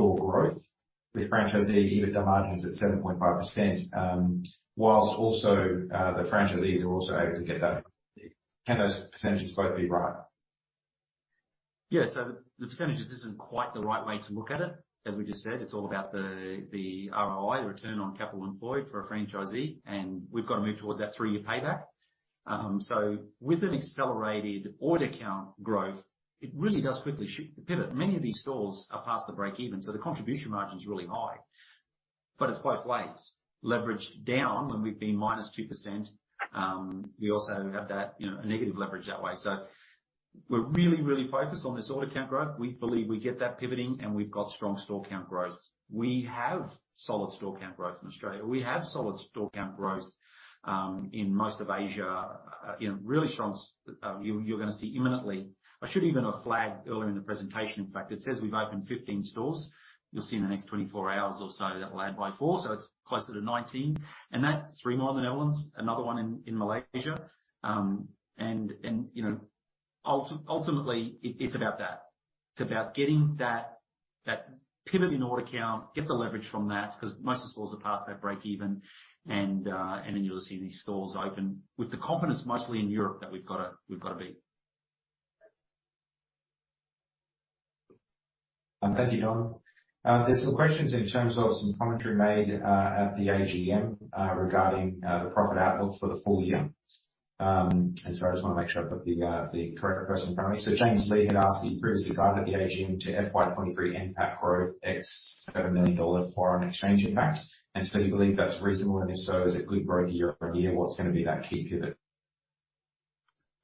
growth with franchisee EBITDA margins at 7.5%, whilst also the franchisees are also able to get that? Can those percentages both be right? The percentages isn't quite the right way to look at it. As we just said, it's all about the ROI, the return on capital employed for a franchisee, and we've got to move towards that 3-year payback. With an accelerated order count growth, it really does quickly pivot. Many of these stores are past the break-even, so the contribution margin is really high. It's both ways. Leverage down when we've been -2%, we also have that, you know, a negative leverage that way. We're really, really focused on this order count growth. We believe we get that pivoting, and we've got strong store count growth. We have solid store count growth in Australia. We have solid store count growth in most of Asia. You know, you're gonna see imminently. I should even have flagged earlier in the presentation, in fact. It says we've opened 15 stores. You'll see in the next 24 hours or so, that'll add by 4, so it's closer to 19. That's 3 more than Evelyn's, another one in Malaysia. You know, ultimately, it's about that. It's about getting that pivot in order count, get the leverage from that, 'cause most of the stores are past their break even. Then you'll see these stores open with the confidence mostly in Europe that we've gotta be. Thank you, Dom. There's some questions in terms of some commentary made at the AGM regarding the profit outlook for the full year. I just wanna make sure I've got the correct person in front of me. James Lee had asked you previously guided the AGM to FY23 NPAT growth ex 7 million dollar foreign exchange impact. Do you believe that's reasonable? If so, is it good growth year-on-year? What's gonna be that key pivot?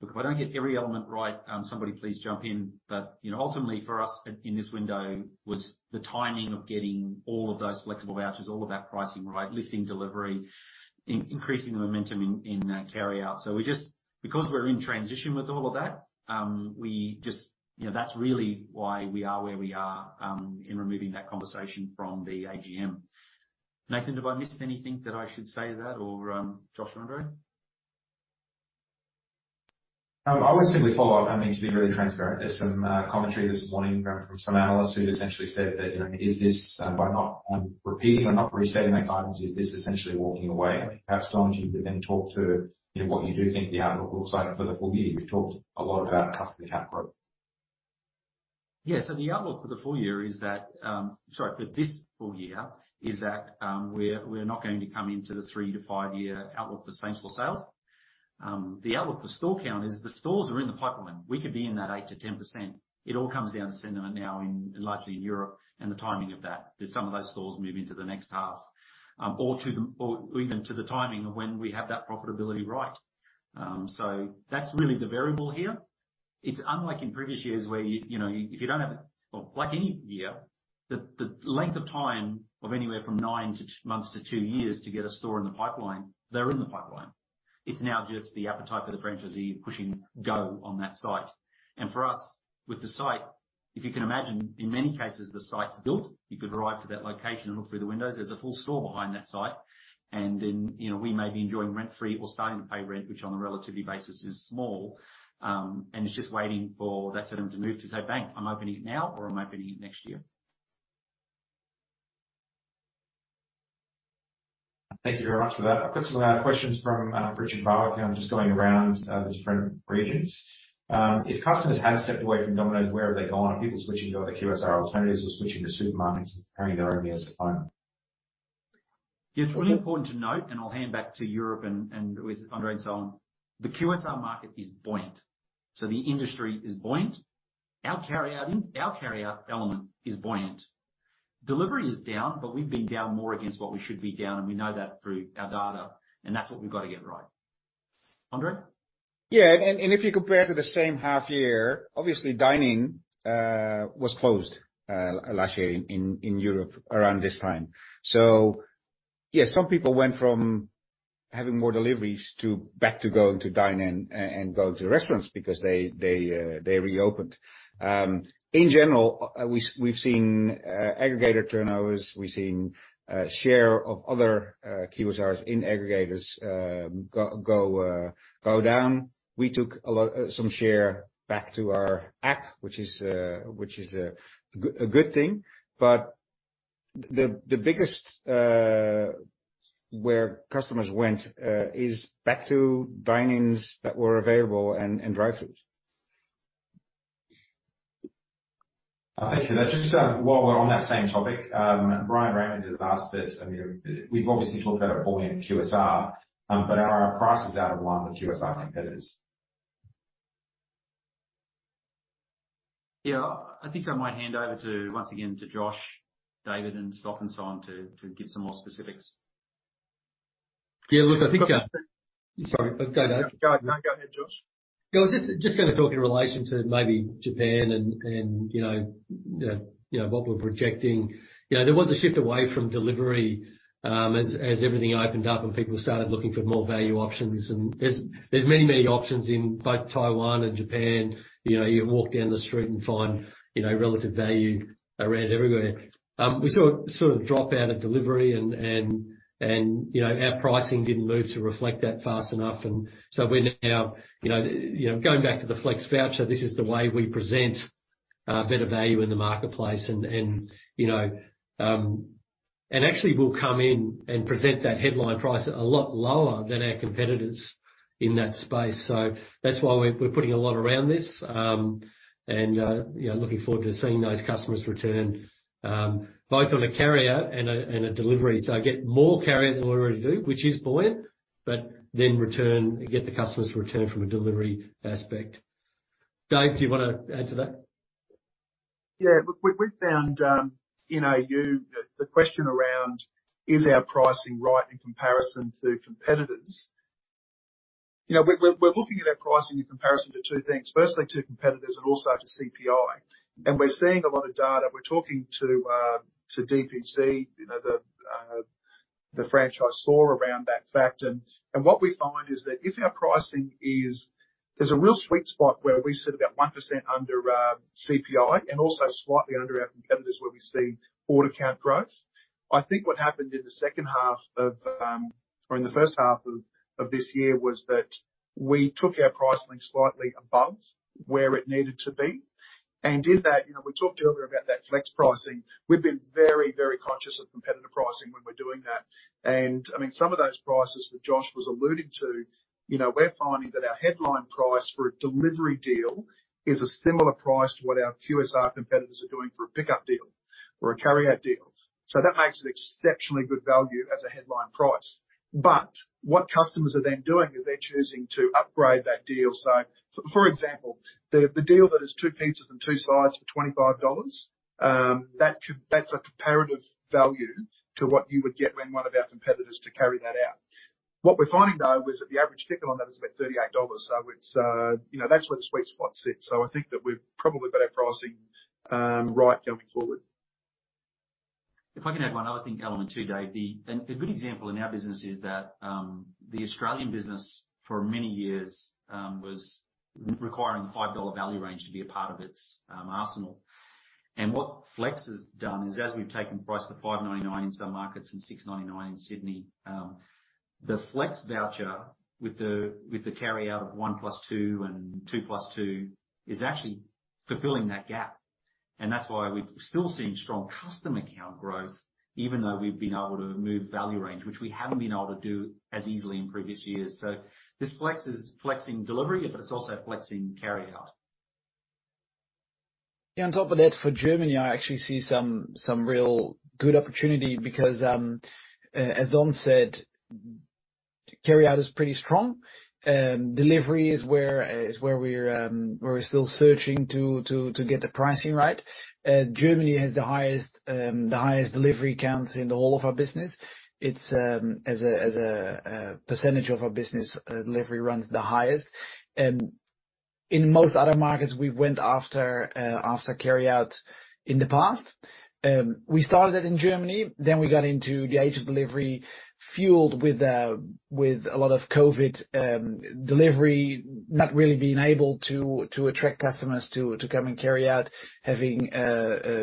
Look, if I don't get every element right, somebody please jump in. You know, ultimately for us in this window was the timing of getting all of those Flexible Vouchers, all of that pricing right, lifting delivery, increasing the momentum in carryout. Because we're in transition with all of that, You know, that's really why we are where we are in removing that conversation from the AGM. Nathan, have I missed anything that I should say to that or Josh or Andre? I would simply follow up. I mean, to be really transparent, there's some commentary this morning from some analysts who'd essentially said that, you know, is this by not repeating or not restating that guidance, is this essentially walking away? Perhaps, Dom, if you could then talk to, you know, what you do think the outlook looks like for the full year. You've talked a lot about customer count growth. The outlook for this full year is that, we're not going to come into the 3-5-year outlook for same-store sales. The outlook for store count is the stores are in the pipeline. We could be in that 8%-10%. It all comes down to sentiment now in, likely in Europe and the timing of that. Do some of those stores move into the next half, or even to the timing of when we have that profitability right. That's really the variable here. It's unlike in previous years where you know, like any year, the length of time of anywhere from nine months to two years to get a store in the pipeline, they're in the pipeline. It's now just the appetite for the franchisee pushing go on that site. For us, with the site, if you can imagine, in many cases, the site's built. You could drive to that location and look through the windows. There's a full store behind that site. Then, you know, we may be enjoying rent-free or starting to pay rent, which on a relativity basis is small. It's just waiting for that sentiment to move to say, "Bang, I'm opening it now," or, "I'm opening it next year. Thank you very much for that. I've got some questions from Richard Barwick. I'm just going around just different regions. If customers have stepped away from Domino's, where have they gone? Are people switching to other QSR alternatives or switching to supermarkets and preparing their own meals at home? It's really important to note, and I'll hand back to Ruben and with Andre and so on. The QSR market is buoyant. The industry is buoyant. Our carryout element is buoyant. Delivery is down, but we've been down more against what we should be down, and we know that through our data. That's what we've got to get right. Andre? If you compare to the same half year, obviously, dining was closed last year in Europe around this time. Some people went from having more deliveries to back to going to dine in and going to restaurants because they reopened. In general, we've seen aggregator turnovers. We've seen share of other QSRs in aggregators go down. We took some share back to our app, which is a good thing. The biggest, where customers went, is back to dine-ins that were available and drive-throughs. Thank you. Let's just, while we're on that same topic, Bryan Raymond has asked that, I mean, we've obviously talked about a buoyant QSR, but are our prices out of line with QSR competitors? Yeah. I think I might hand over to, once again, to Josh, David, and Stoffel and Simon to give some more specifics. Yeah. Look, I Sorry. Go, Dave. Go ahead, Josh. Yeah. I was just gonna talk in relation to maybe Japan and, you know, what we're projecting. You know, there was a shift away from delivery, as everything opened up and people started looking for more value options. There's many, many options in both Taiwan and Japan. You know, you walk down the street and find, you know, relative value around everywhere. We saw a sort of drop out of delivery and, you know, our pricing didn't move to reflect that fast enough. We're now, you know, going back to the Flexible Voucher, this is the way we present better value in the marketplace and, you know, actually we'll come in and present that headline price a lot lower than our competitors in that space. That's why we're putting a lot around this, and, you know, looking forward to seeing those customers return, both on a carryout and a delivery. Get more carryout than we already do, which is buoyant, but then get the customers to return from a delivery aspect. Dave, do you wanna add to that? Look, we've found, you know, the question around is our pricing right in comparison to competitors. You know, we're looking at our pricing in comparison to two things. Firstly, to competitors and also to CPI. We're seeing a lot of data. We're talking to DPC, you know, the franchise store around that fact. What we find is that if our pricing there's a real sweet spot where we sit about 1% under CPI and also slightly under our competitors where we see order count growth. I think what happened in the second half of or in the first half of this year was that we took our pricing slightly above where it needed to be. In that, you know, we talked earlier about that flex pricing. We've been very, very conscious of competitive pricing when we're doing that. I mean, some of those prices that Josh was alluding to, you know, we're finding that our headline price for a delivery deal is a similar price to what our QSR competitors are doing for a pickup deal or a carryout deal. That makes it exceptionally good value as a headline price. What customers are then doing is they're choosing to upgrade that deal. For example, the deal that is two pizzas and two sides for $25, that's a comparative value to what you would get when one of our competitors to carry that out. What we're finding though is that the average ticket on that is about $38. It's, you know, that's where the sweet spot sits. I think that we've probably got our pricing, right going forward. If I can add one other thing, element too, Dave. A good example in our business is that the Australian business for many years was requiring the 5 dollar value range to be a part of its arsenal. What flex has done is as we've taken price to 5.99 in some markets and 6.99 in Sydney, the Flexible Voucher with the carryout of one plus two and two plus two is actually fulfilling that gap. That's why we're still seeing strong custom account growth even though we've been able to move value range, which we haven't been able to do as easily in previous years. This flex is flexing delivery, but it's also flexing carryout. On top of that, for Germany, I actually see some real good opportunity because, as Don said, carryout is pretty strong. Delivery is where we're still searching to get the pricing right. Germany has the highest delivery counts in the whole of our business. It's as a percentage of our business, delivery runs the highest. In most other markets we went after carryout in the past. We started in Germany, then we got into the age of delivery, fueled with a lot of COVID, delivery not really being able to attract customers to come and carryout, having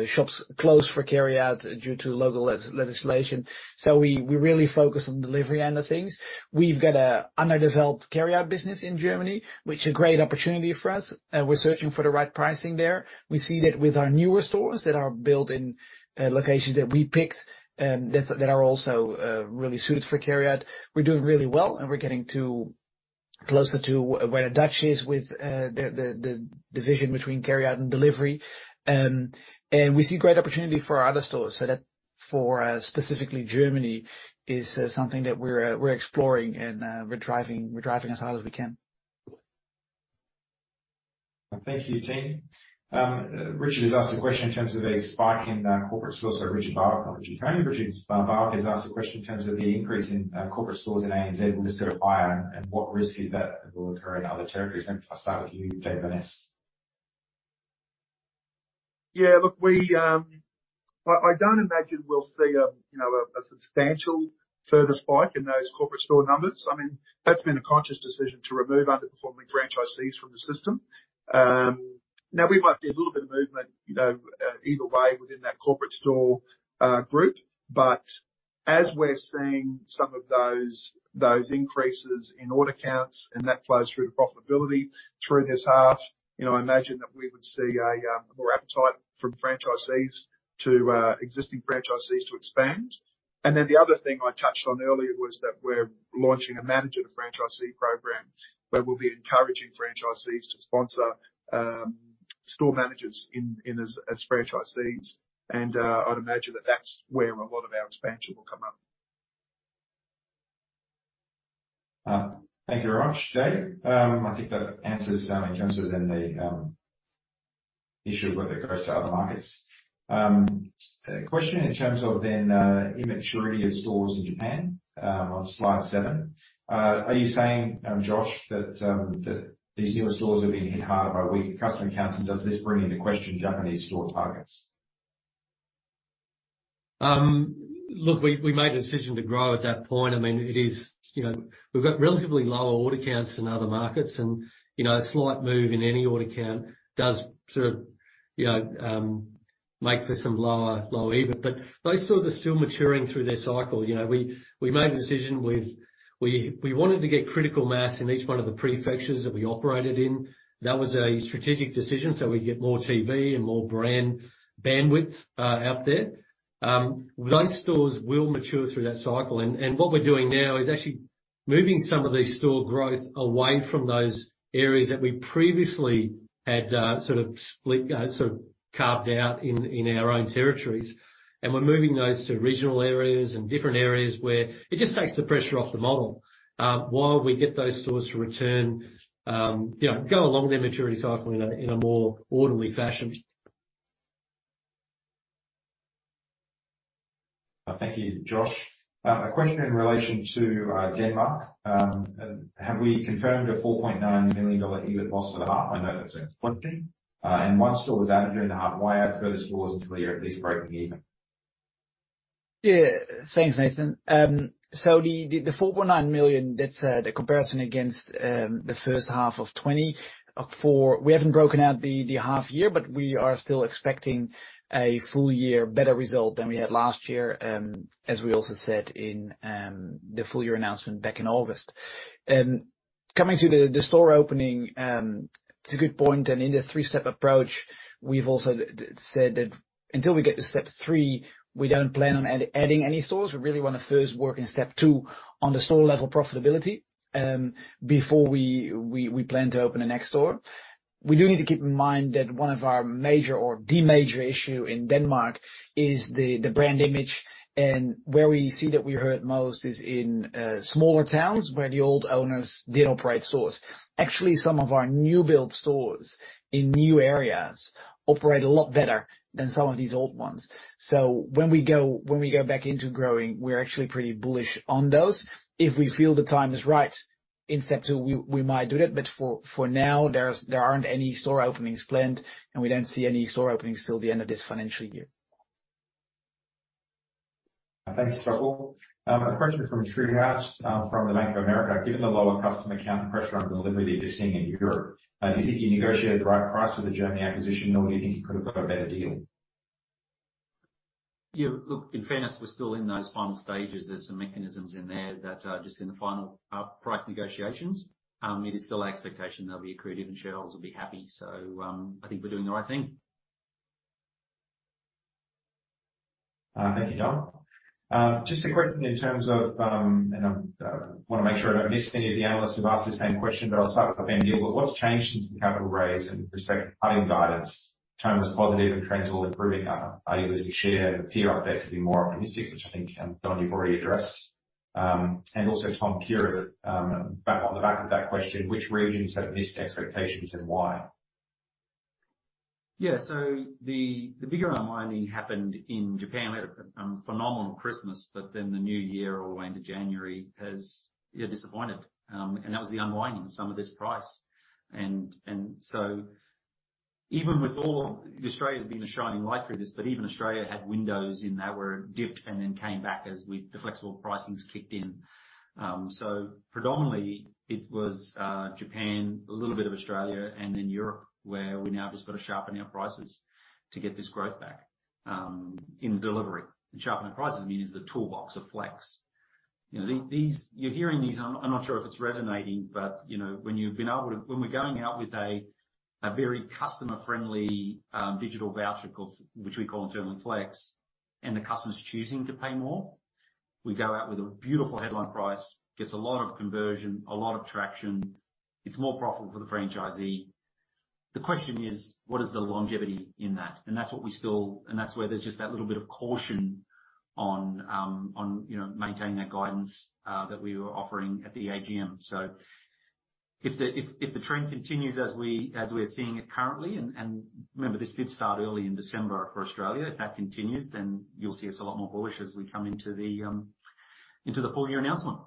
shops close for carryout due to local legislation. We really focus on delivery end of things. We've got a underdeveloped carryout business in Germany, which a great opportunity for us. We're searching for the right pricing there. We see that with our newer stores that are built in locations that we picked, that are also really suited for carryout. We're doing really well, and we're getting to closer to where Dutch is with the division between carryout and delivery. We see great opportunity for our other stores. That for, specifically Germany, is something that we're exploring and we're driving as hard as we can. Thank you, team. Richard has asked a question in terms of a spike in corporate stores. Richard Barwick, not Richard Tony. Richard Barwick has asked a question in terms of the increase in corporate stores in ANZ. Will this go higher, and what risk is that will occur in other territories? Maybe if I start with you, David Burness. Look, we don't imagine we'll see a, you know, a substantial further spike in those corporate store numbers. I mean, that's been a conscious decision to remove underperforming franchisees from the system. Now we might see a little bit of movement, you know, either way within that corporate store group. As we're seeing some of those increases in order counts, and that flows through to profitability through this half, you know, I imagine that we would see more appetite from franchisees to existing franchisees to expand. The other thing I touched on earlier was that we're launching a manager to franchisee program where we'll be encouraging franchisees to sponsor store managers as franchisees. I'd imagine that that's where a lot of our expansion will come up. Thank you very much, Dave. I think that answers in terms of then the issue of whether it goes to other markets. A question in terms of then immaturity of stores in Japan on slide seven. Are you saying, Josh, that these newer stores have been hit harder by weaker customer counts, and does this bring into question Japanese store targets? Look, we made a decision to grow at that point. I mean, you know, we've got relatively lower order counts than other markets and, you know, a slight move in any order count does sort of, you know, make for some lower EBIT. Those stores are still maturing through their cycle. You know, we made the decision. We wanted to get critical mass in each one of the prefectures that we operated in. That was a strategic decision, so we'd get more TV and more brand bandwidth out there. Those stores will mature through that cycle. What we're doing now is actually moving some of the store growth away from those areas that we previously had, sort of split, sort of carved out in our own territories. We're moving those to regional areas and different areas where it just takes the pressure off the model, while we get those stores to return, you know, go along their maturity cycle in a, in a more orderly fashion. Thank you, Josh. A question in relation to Denmark. Have we confirmed a 4.9 million dollar EBIT loss for the half? I know that's in question. One store was added during the half. Why add further stores until you're at least breaking even? Thanks, Nathan. The 4.9 million, that's the comparison against the first half of 2020. We haven't broken out the half year, we are still expecting a full year better result than we had last year, as we also said in the full year announcement back in August. Coming to the store opening, it's a good point. In the three-step approach, we've also said that until we get to step three, we don't plan on adding any stores. We really wanna first work in step two on the store level profitability, before we plan to open the next store. We do need to keep in mind that one of our major or the major issue in Denmark is the brand image. Where we see that we're hurt most is in smaller towns where the old owners did operate stores. Actually, some of our new build stores in new areas operate a lot better than some of these old ones. When we go, when we go back into growing, we're actually pretty bullish on those. If we feel the time is right in step two, we might do that. For, for now, there's, there aren't any store openings planned, and we don't see any store openings till the end of this financial year. Thank you, Stoffel. A question from Sridhar from the Bank of America. Given the lower customer count and pressure on delivery you're seeing in Europe, do you think you negotiated the right price for the Germany acquisition? Do you think you could have got a better deal? In fairness, we're still in those final stages. There's some mechanisms in there that are just in the final price negotiations. It is still our expectation they'll be accretive, and shareholders will be happy. I think we're doing the right thing. Thank you, Don. Just a question in terms o, I wanna make sure I don't miss any of the analysts who've asked the same question, but I'll start with Niraj. What's changed since the capital raise in respect to cutting guidance? Term was positive and trends all improving. Are you losing share? The peer updates have been more optimistic, which I think, Don, you've already addressed. Also Tom Kierath, on the back of that question, which regions have missed expectations and why? The bigger unwinding happened in Japan. We had a phenomenal Christmas, but then the new year all the way into January has, you know, disappointed. That was the unwinding of some of this price. Even Australia's been a shining light through this, but even Australia had windows in there where it dipped and then came back as the flexible pricings kicked in. Predominantly it was Japan, a little bit of Australia, and then Europe, where we now have just gotta sharpen our prices to get this growth back in delivery. Sharpen our prices means the toolbox of flex. You know, You're hearing these, I'm not sure if it's resonating, but, you know, When we're going out with a very customer-friendly, digital voucher which we call internally Flex, and the customer's choosing to pay more, we go out with a beautiful headline price, gets a lot of conversion, a lot of traction. It's more profitable for the franchisee. The question is: What is the longevity in that? That's where there's just that little bit of caution on, you know, maintaining that guidance, that we were offering at the AGM. If the trend continues as we're seeing it currently, and remember, this did start early in December for Australia. If that continues, then you'll see us a lot more bullish as we come into the, into the full year announcement.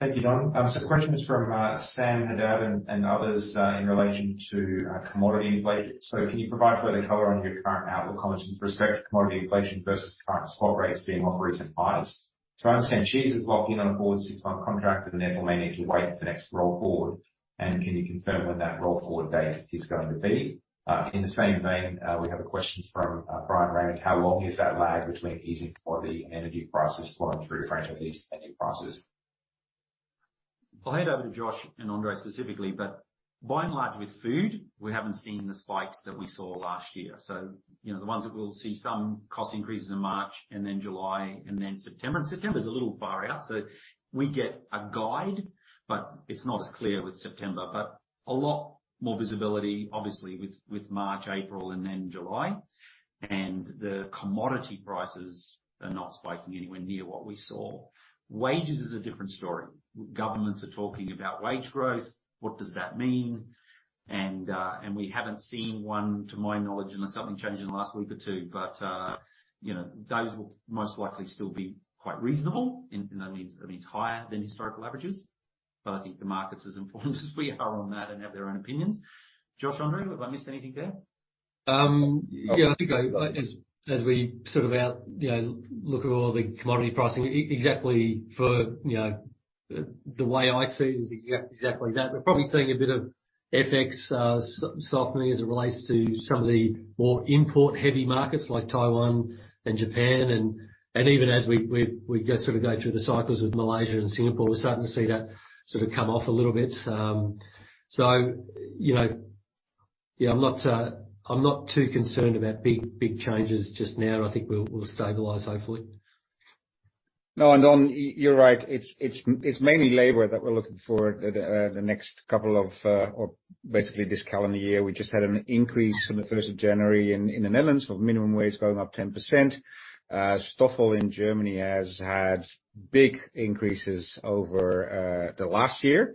Thank you, Don. Questions from Sam Haddad and others in relation to commodity inflation. Can you provide further color on your current outlook comments with respect to commodity inflation versus current spot rates being off recent highs? I understand cheese is locked in on a forward six-month contract and therefore may need to wait for the next roll forward. Can you confirm when that roll forward date is going to be? In the same vein, we have a question from Bryan Raymond. How long is that lag between easing commodity and energy prices flowing through to franchisees and their prices? I'll hand over to Josh and Andre specifically. By and large, with food, we haven't seen the spikes that we saw last year. You know, the ones that we'll see some cost increases in March and then July and then September. September is a little far out, so we get a guide, but it's not as clear with September. A lot more visibility, obviously, with March, April and then July. The commodity prices are not spiking anywhere near what we saw. Wages is a different story. Governments are talking about wage growth. What does that mean? We haven't seen one to my knowledge, unless something changed in the last week or two. You know, those will most likely still be quite reasonable. That means higher than historical averages. I think the markets as informed as we are on that and have their own opinions. Josh, Andre, have I missed anything there? Yeah, I think as we sort of out, you know, look at all the commodity pricing exactly for, you know, the way I see it is exactly that. We're probably seeing a bit of FX softening as it relates to some of the more import-heavy markets like Taiwan and Japan. Even as we go, sort of go through the cycles with Malaysia and Singapore, we're starting to see that sort of come off a little bit. You know, yeah, I'm not, I'm not too concerned about big changes just now. I think we'll stabilize, hopefully. No, Don, you're right. It's mainly labor that we're looking for the next couple of or basically this calendar year. We just had an increase on the 1st of January in the Netherlands of minimum wage going up 10%. Stoffel in Germany has had big increases over the last year.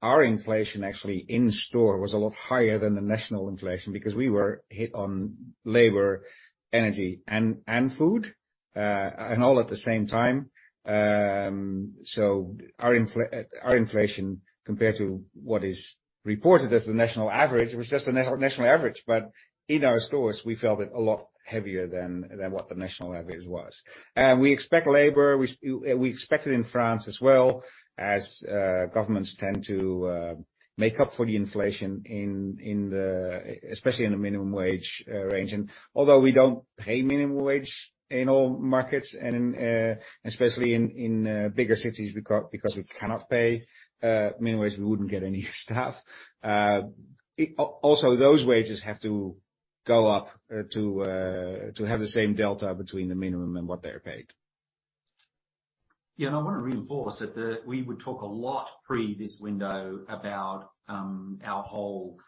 Our inflation actually in store was a lot higher than the national inflation because we were hit on labor, energy and food. All at the same time. Our inflation compared to what is reported as the national average, was just a national average. In our stores, we felt it a lot heavier than what the national average was. We expect labor, we expect it in France as well as governments tend to make up for the inflation in the, especially in the minimum wage range. Although we don't pay minimum wage in all markets and especially in bigger cities because we cannot pay minimum wage, we wouldn't get any staff. Also those wages have to go up to to have the same delta between the minimum and what they are paid. Yeah. I wanna reinforce that we would talk a lot pre this window about our whole,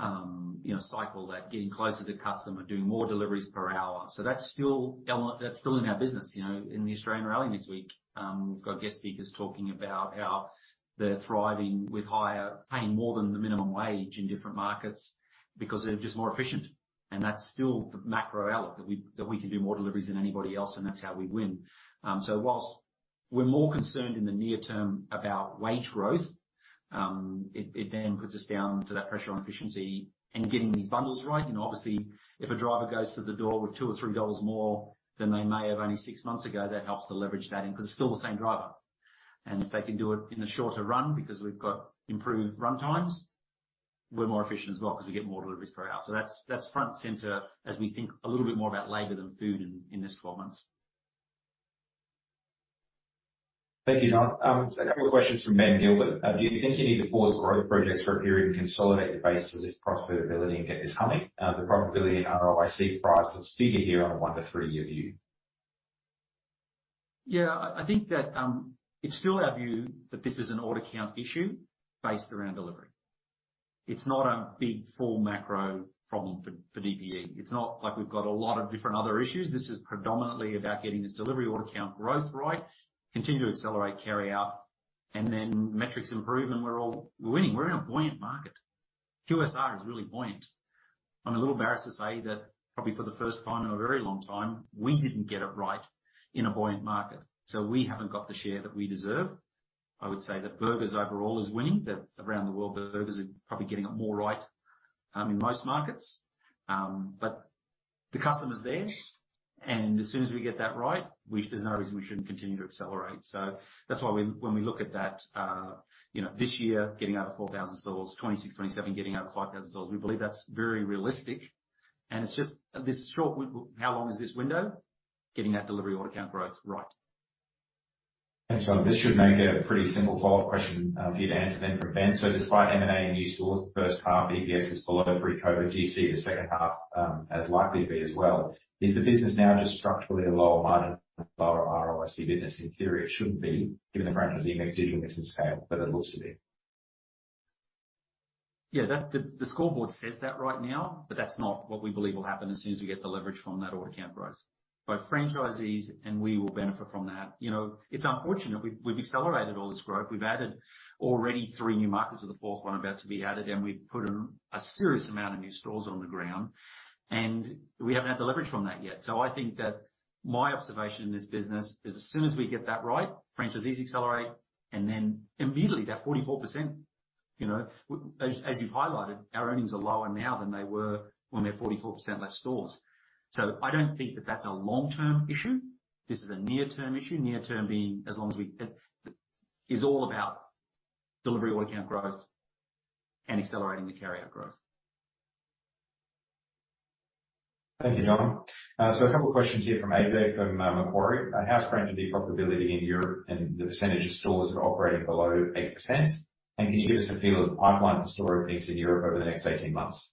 you know, cycle that getting closer to customer, doing more deliveries per hour. That's still in our business. You know, in the Australian rally next week, we've got guest speakers talking about how they're thriving with higher paying more than the minimum wage in different markets because they're just more efficient. That's still the macro element, that we can do more deliveries than anybody else, and that's how we win. Whilst we're more concerned in the near term about wage growth, it then puts us down to that pressure on efficiency and getting these bundles right. You know, obviously, if a driver goes to the door with 2 or 3 dollars more than they may have only six months ago, that helps to leverage that in, 'cause it's still the same driver. If they can do it in a shorter run because we've got improved run times, we're more efficient as well 'cause we get more deliveries per hour. That's front and center as we think a little bit more about labor than food in this 12 months. Thank you, Don. A couple of questions from Ben Gilbert. Do you think you need to pause growth projects for a period and consolidate your base to lift profitability and get this humming? The profitability and ROIC price looks bigger here on a 1-3 year view. I think that it's still our view that this is an order count issue based around delivery. It's not a big, full macro problem for DPE. It's not like we've got a lot of different other issues. This is predominantly about getting this delivery order count growth right, continue to accelerate carry out, and then metrics improve and we're all winning. We're in a buoyant market. QSR is really buoyant. I'm a little embarrassed to say that probably for the first time in a very long time, we didn't get it right in a buoyant market. We haven't got the share that we deserve. I would say that burgers overall is winning. Around the world, burgers are probably getting it more right in most markets. The customer's there, and as soon as we get that right, there's no reason we shouldn't continue to accelerate. That's why when we look at that, you know, this year getting out of 4,000 stores, 2026, 2027, getting out of 5,000 stores. We believe that's very realistic. It's just this short how long is this window getting that delivery order count growth right. Thanks, Don. This should make a pretty simple follow-up question for you to answer then for Ben. Despite M&A and new stores the first half, EPS was below pre-COVID. Do you see the second half as likely to be as well? Is the business now just structurally a lower margin, lower ROIC business? In theory, it shouldn't be, given the franchisees, mix, digital mix and scale, but it looks to be. Yeah, the scoreboard says that right now, but that's not what we believe will happen as soon as we get the leverage from that order count growth. Both franchisees and we will benefit from that. You know, it's unfortunate. We've accelerated all this growth. We've added already three new markets with the fourth one about to be added, and we've put a serious amount of new stores on the ground, and we haven't had the leverage from that yet. I think that my observation in this business is as soon as we get that right, franchisees accelerate, and then immediately that 44% You know, as you've highlighted, our earnings are lower now than they were when we had 44% less stores. I don't think that that's a long-term issue. This is a near-term issue. Near-term being as long as we. It is all about delivery order count growth and accelerating the carrier growth. Thank you, Don. A couple questions here from A.J. from Macquarie. How's franchisee profitability in Europe and the percentage of stores that are operating below 8%? Can you give us a feel of the pipeline for store openings in Europe over the next 18 months?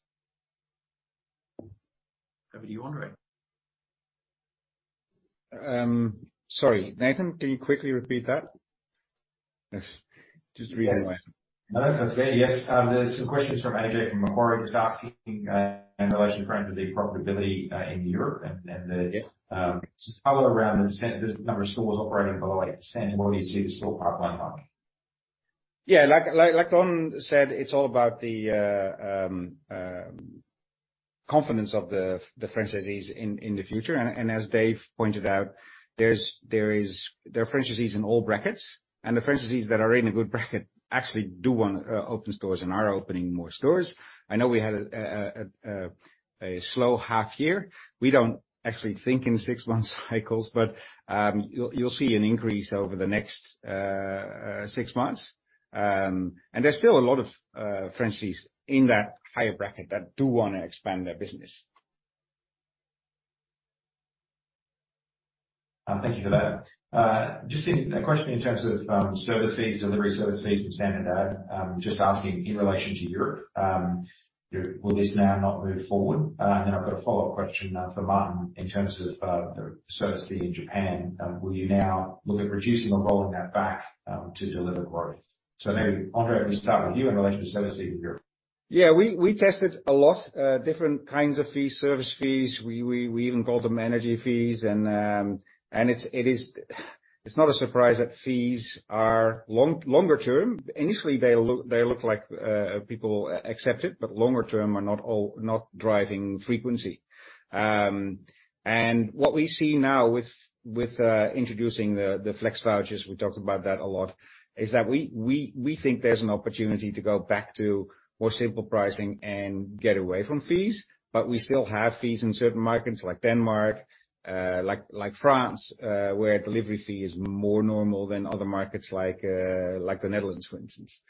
Over to you, Andre. Sorry, Nathan, can you quickly repeat that? Yes. Just reading. No, that's okay. Yes. There's some questions from A.J. from Macquarie. Just asking, in relation to franchisee profitability, in Europe and the, just follow around the number of stores operating below 8%. What do you see the store pipeline like? Like Don said, it's all about the confidence of the franchisees in the future. As Dave pointed out, there are franchisees in all brackets, and the franchisees that are in a good bracket actually do wanna open stores and are opening more stores. I know we had a slow half year. We don't actually think in six-month cycles, you'll see an increase over the next six months. There's still a lot of franchisees in that higher bracket that do wanna expand their business. Thank you for that. Just a question in terms of service fees, delivery service fees from Standard Ad. Just asking in relation to Europe, will this now not move forward? I've got a follow-up question for Martin in terms of the service fee in Japan. Will you now look at reducing or rolling that back to deliver growth? Maybe Andre, if we start with you in relation to service fees in Europe. Yeah. We tested a lot, different kinds of fees, service fees. We even called them energy fees. It's not a surprise that fees are longer term. Initially, they look like people accept it, but longer term are not all, not driving frequency. What we see now with introducing the Flexible Voucher, we talked about that a lot, is that we think there's an opportunity to go back to more simple pricing and get away from fees. We still have fees in certain markets like Denmark, like France, where a delivery fee is more normal than other markets like the Netherlands, for instance.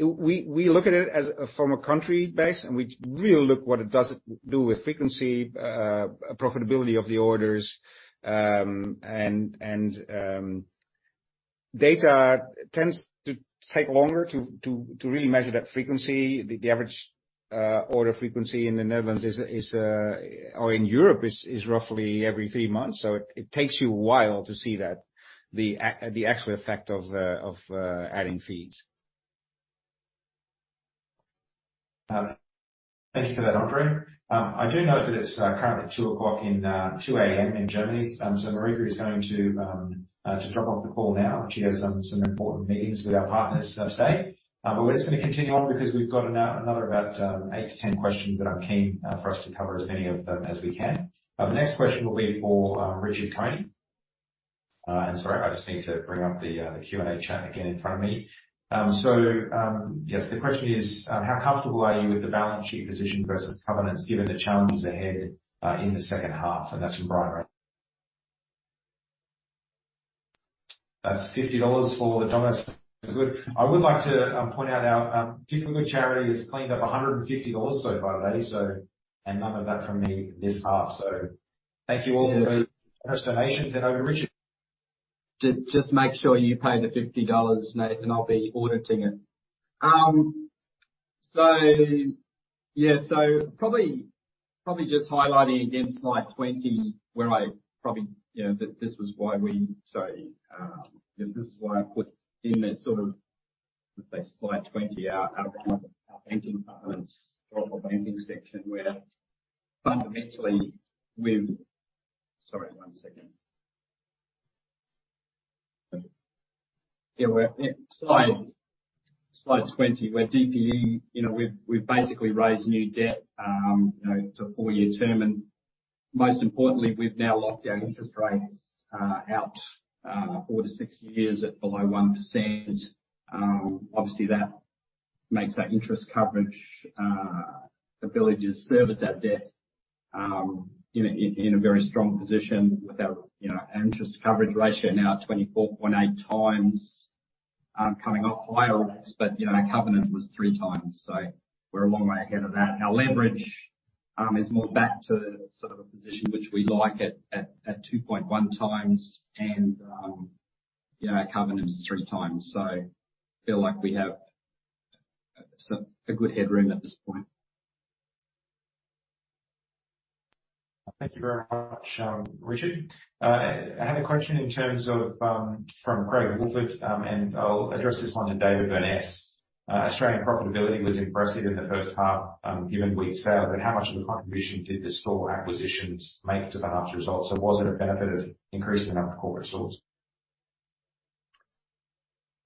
We look at it as from a country base, and we really look what it does do with frequency, profitability of the orders. Data tends to take longer to really measure that frequency. The average order frequency in the Netherlands is or in Europe is roughly every 3 months. It takes you a while to see that, the actual effect of adding fees. Thank you for that, Andre. I do note that it's currently 2:00 A.M. in Germany, so Marika is going to drop off the call now. She has some important meetings with our partners this day. We're just gonna continue on because we've got another about 8-10 questions that I'm keen for us to cover as many of them as we can. The next question will be for Richard Coney. Sorry, I just need to bring up the Q&A chat again in front of me. Yes, the question is, how comfortable are you with the balance sheet position versus covenants given the challenges ahead in the second half? That's from Brian Rak. That's 50 dollars for the Domino's for Good. I would like to point out our Doing Good charity has cleaned up 150 dollars so far today, so. None of that from me this half. Thank you all for your generous donations. Over to Richard. Just make sure you pay the $50, Nathan. I'll be auditing it. Yeah. Probably just highlighting again slide 20 where I probably, you know, Sorry. This is why I put in that sort of, let's say, slide 20, our banking partners or banking section, where fundamentally with Sorry, one second. Yeah, we're Yeah. Slide 20, where DPE, you know, we've basically raised new debt, you know, to four-year term. Most importantly, we've now locked our interest rates out 4-6 years at below 1%. Obviously that makes that interest coverage, ability to service that debt, in a very strong position with our, you know, interest coverage ratio now at 24.8x, coming off higher rates, but you know, our covenant was 3x, so we're a long way ahead of that. Our leverage is more back to sort of a position which we like at 2.1x and, you know, our covenant is 3x. Feel like we have a good headroom at this point. Thank you very much, Richard. I had a question in terms of from Craig Woolford, and I'll address this one to David Burness. Australian profitability was impressive in the first half, given weak sales. How much of a contribution did the store acquisitions make to the half's results? Was it a benefit of increasing the number of corporate stores?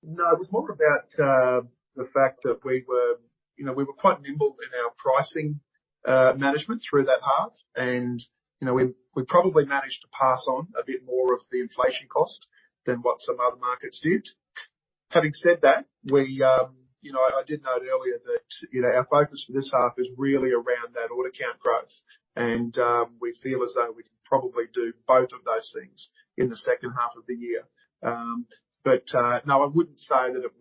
No, it was more about, the fact that we were, you know, we were quite nimble in our pricing. Management through that half. You know, we probably managed to pass on a bit more of the inflation cost than what some other markets did. Having said that, we, you know, I did note earlier that, you know, our focus for this half is really around that order count growth. We feel as though we can probably do both of those things in the second half of the year. No, I wouldn't say that it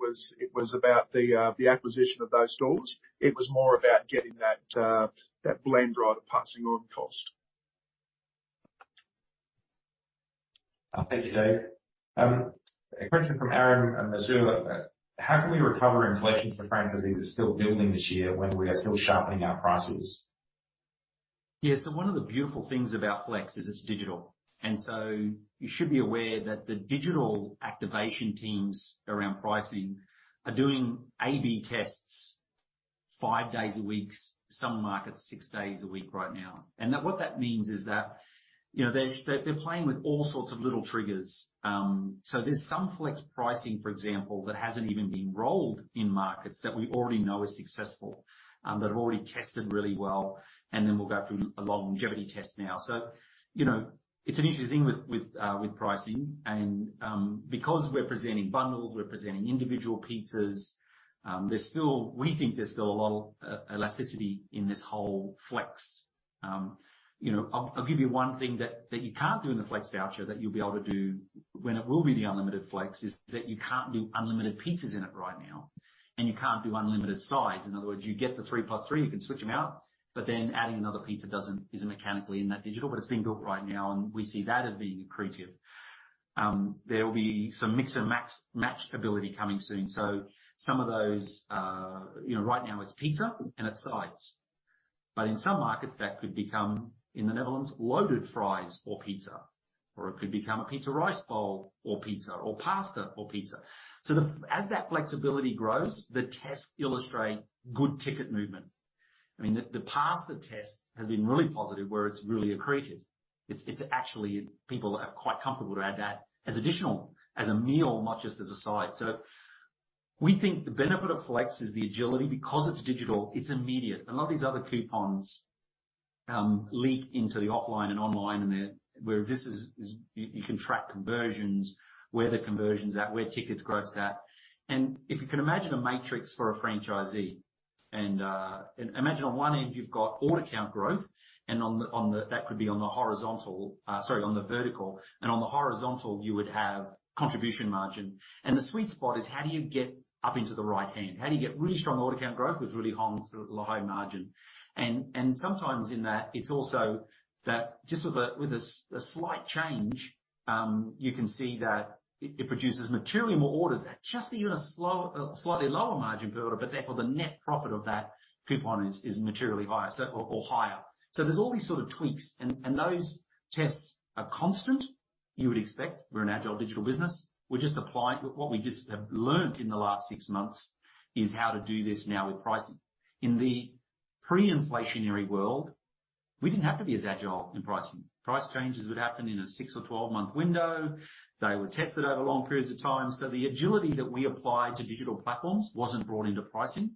was about the acquisition of those stores. It was more about getting that blend right, passing on cost. Thank you, Dave. A question from Aryan Norozi. How can we recover inflation for franchisees that's still building this year when we are still sharpening our prices? One of the beautiful things about Flex is it's digital. You should be aware that the digital activation teams around pricing are doing A/B tests 5 days a week, some markets 6 days a week right now. What that means is that, you know, they're playing with all sorts of little triggers. There's some Flex pricing, for example, that hasn't even been rolled in markets that we already know are successful, that have already tested really well, and then will go through a longevity test now. You know, it's an interesting thing with pricing and because we're presenting bundles, we're presenting individual pizzas, we think there's still a lot of elasticity in this whole Flex. you know, I'll give you one thing that you can't do in the Flexible Voucher that you'll be able to do when it will be the unlimited Flex, is that you can't do unlimited pizzas in it right now, and you can't do unlimited sides. In other words, you get the three plus three, you can switch them out, adding another pizza isn't mechanically in that digital, but it's being built right now, and we see that as being accretive. There will be some mix and match ability coming soon. you know, right now it's pizza and it's sides. In some markets that could become, in the Netherlands, loaded fries or pizza, or it could become a pizza rice bowl or pizza, or pasta or pizza. As that flexibility grows, the tests illustrate good ticket movement. I mean, the pasta test has been really positive where it's really accretive. It's actually, people are quite comfortable to add that as additional, as a meal, not just as a side. We think the benefit of Flex is the agility. Because it's digital, it's immediate. A lot of these other coupons leak into the offline and online, and they're whereas this is, you can track conversions, where the conversion's at, where tickets growth's at. If you can imagine a matrix for a franchisee and imagine on one end you've got order count growth, and on the that could be on the horizontal. Sorry, on the vertical. On the horizontal you would have contribution margin. The sweet spot is how do you get up into the right hand. How do you get really strong order count growth, which really hangs the low margin. Sometimes in that it's also that just with a slight change, you can see that it produces materially more orders at just even a slightly lower margin per order, but therefore the net profit of that coupon is materially higher or higher. There's all these sort of tweaks and those tests are constant. You would expect, we're an agile digital business. We're just applying. What we just have learnt in the last six months is how to do this now with pricing. In the pre-inflationary world, we didn't have to be as agile in pricing. Price changes would happen in a six or 12-month window. They were tested over long periods of time. The agility that we applied to digital platforms wasn't brought into pricing.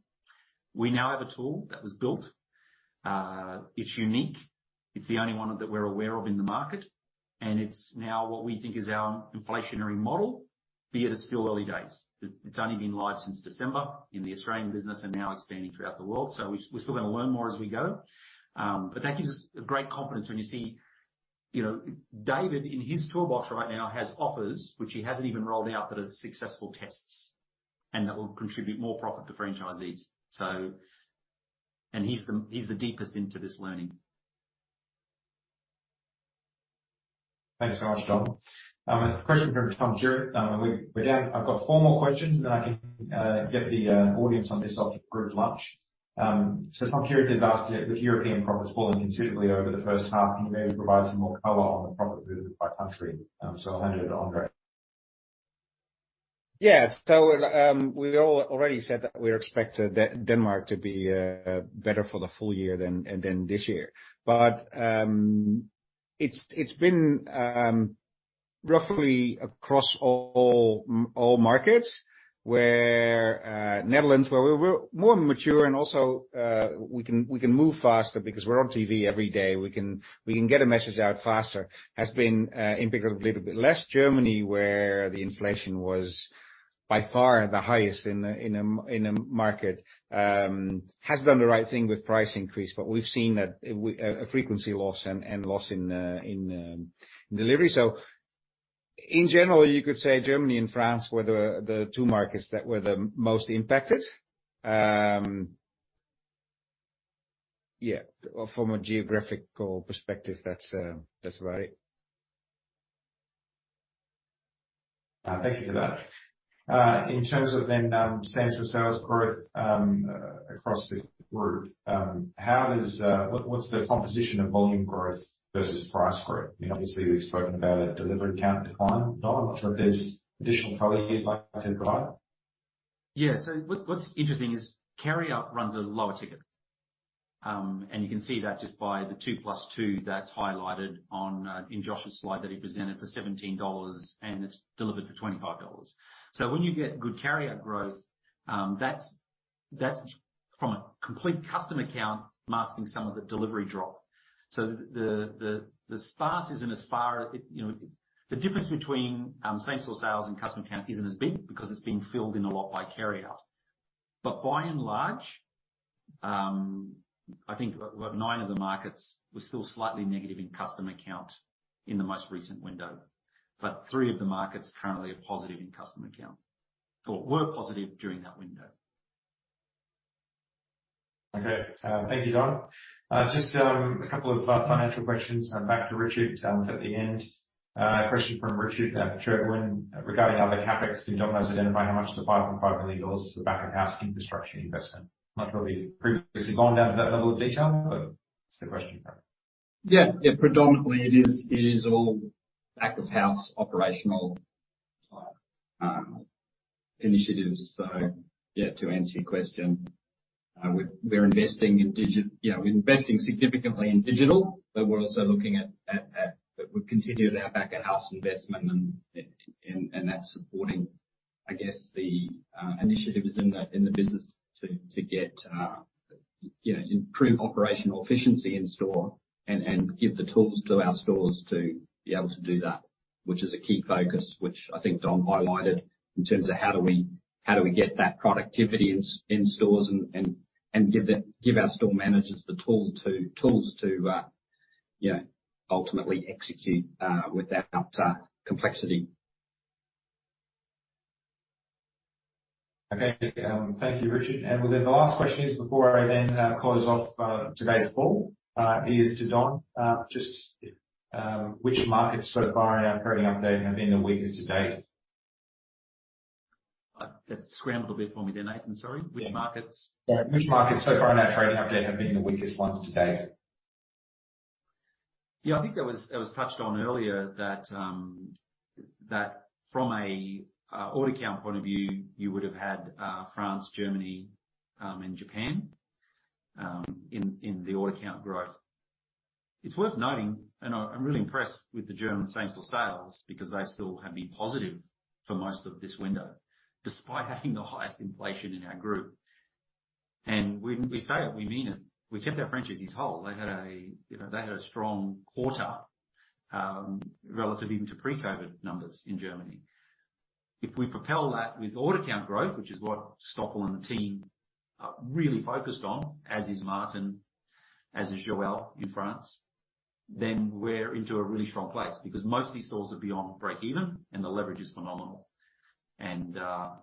We now have a tool that was built. It's unique. It's the only one that we're aware of in the market, and it's now what we think is our inflationary model, be it it's still early days. It's only been live since December in the Australian business and now expanding throughout the world. We're still gonna learn more as we go. That gives us a great confidence when you see, you know, David in his toolbox right now has offers which he hasn't even rolled out that are successful tests and that will contribute more profit to franchisees. He's the deepest into this learning. Thanks so much, Don. A question from Tom Jurestko. We're down. I've got four more questions, and then I can get the audience on this off to group lunch. Tom Jurestko has asked you, with European profits falling considerably over the first half, can you maybe provide some more color on the profit by country? I'll hand over to Andre. We already said that we expected Denmark to be better for the full year than this year. It's been roughly across all markets where Netherlands, where we're more mature and also, we can move faster because we're on TV every day. We can get a message out faster, has been impacted a little bit less. Germany, where the inflation was by far the highest in a market, has done the right thing with price increase. We've seen that a frequency loss and loss in delivery. In general, you could say Germany and France were the two markets that were the most impacted. Yeah. From a geographical perspective, that's right. Thank you for that. In terms of central sales growth across the group, what's the composition of volume growth versus price growth? Obviously, we've spoken about a delivery count decline. Don, I'm not sure if there's additional color you'd like to provide. Yeah. What's interesting is carryout runs a lower ticket. You can see that just by the two plus two that's highlighted in Josh's slide that he presented for 17 dollars, and it's delivered for 25 dollars. When you get good carryout growth, That's from a complete customer count masking some of the delivery drop. The start isn't as far, you know. The difference between same-store sales and customer count isn't as big because it's being filled in a lot by carryout. By and large, I think we've nine of the markets were still slightly negative in customer count in the most recent window. Three of the markets currently are positive in customer count, or were positive during that window. Okay. Thank you, Don. Just a couple of financial questions back to Richard for at the end. A question from Richard at Jarden regarding how the CapEx been Domino's identify how much of the 5.5 million dollars is the back-of-house infrastructure investment? Not probably previously gone down to that level of detail. That's the question you have. Yeah, predominantly it is all back-of-house operational initiatives. Yeah, to answer your question, we're investing in, you know, we're investing significantly in digital, but we're also looking at. We've continued our back-of-house investment and that's supporting, I guess, the initiatives in the business to get, you know, improve operational efficiency in store and give the tools to our stores to be able to do that, which is a key focus, which I think Don highlighted, in terms of how do we get that productivity in stores and give our store managers the tools to, you know, ultimately execute without complexity. Okay. Thank you, Richard. The last question is before I then close off today's call is to Don, just which markets so far in our trading update have been the weakest to date? That's scrambled a bit for me there, Nathan. Sorry. Which markets? Which markets so far in our trading update have been the weakest ones to date? Yeah. I think that was, that was touched on earlier that from a order count point of view, you would have had France, Germany, and Japan, in the order count growth. It's worth noting, I'm really impressed with the German same store sales because they still have been positive for most of this window, despite having the highest inflation in our group. When we say it, we mean it. We kept our franchisees whole. They had a, you know, they had a strong quarter, relative even to pre-COVID numbers in Germany. If we propel that with order count growth, which is what Stoffel and the team are really focused on, as is Martin, as is Joel in France, then we're into a really strong place because most of these stores are beyond break even and the leverage is phenomenal. I'm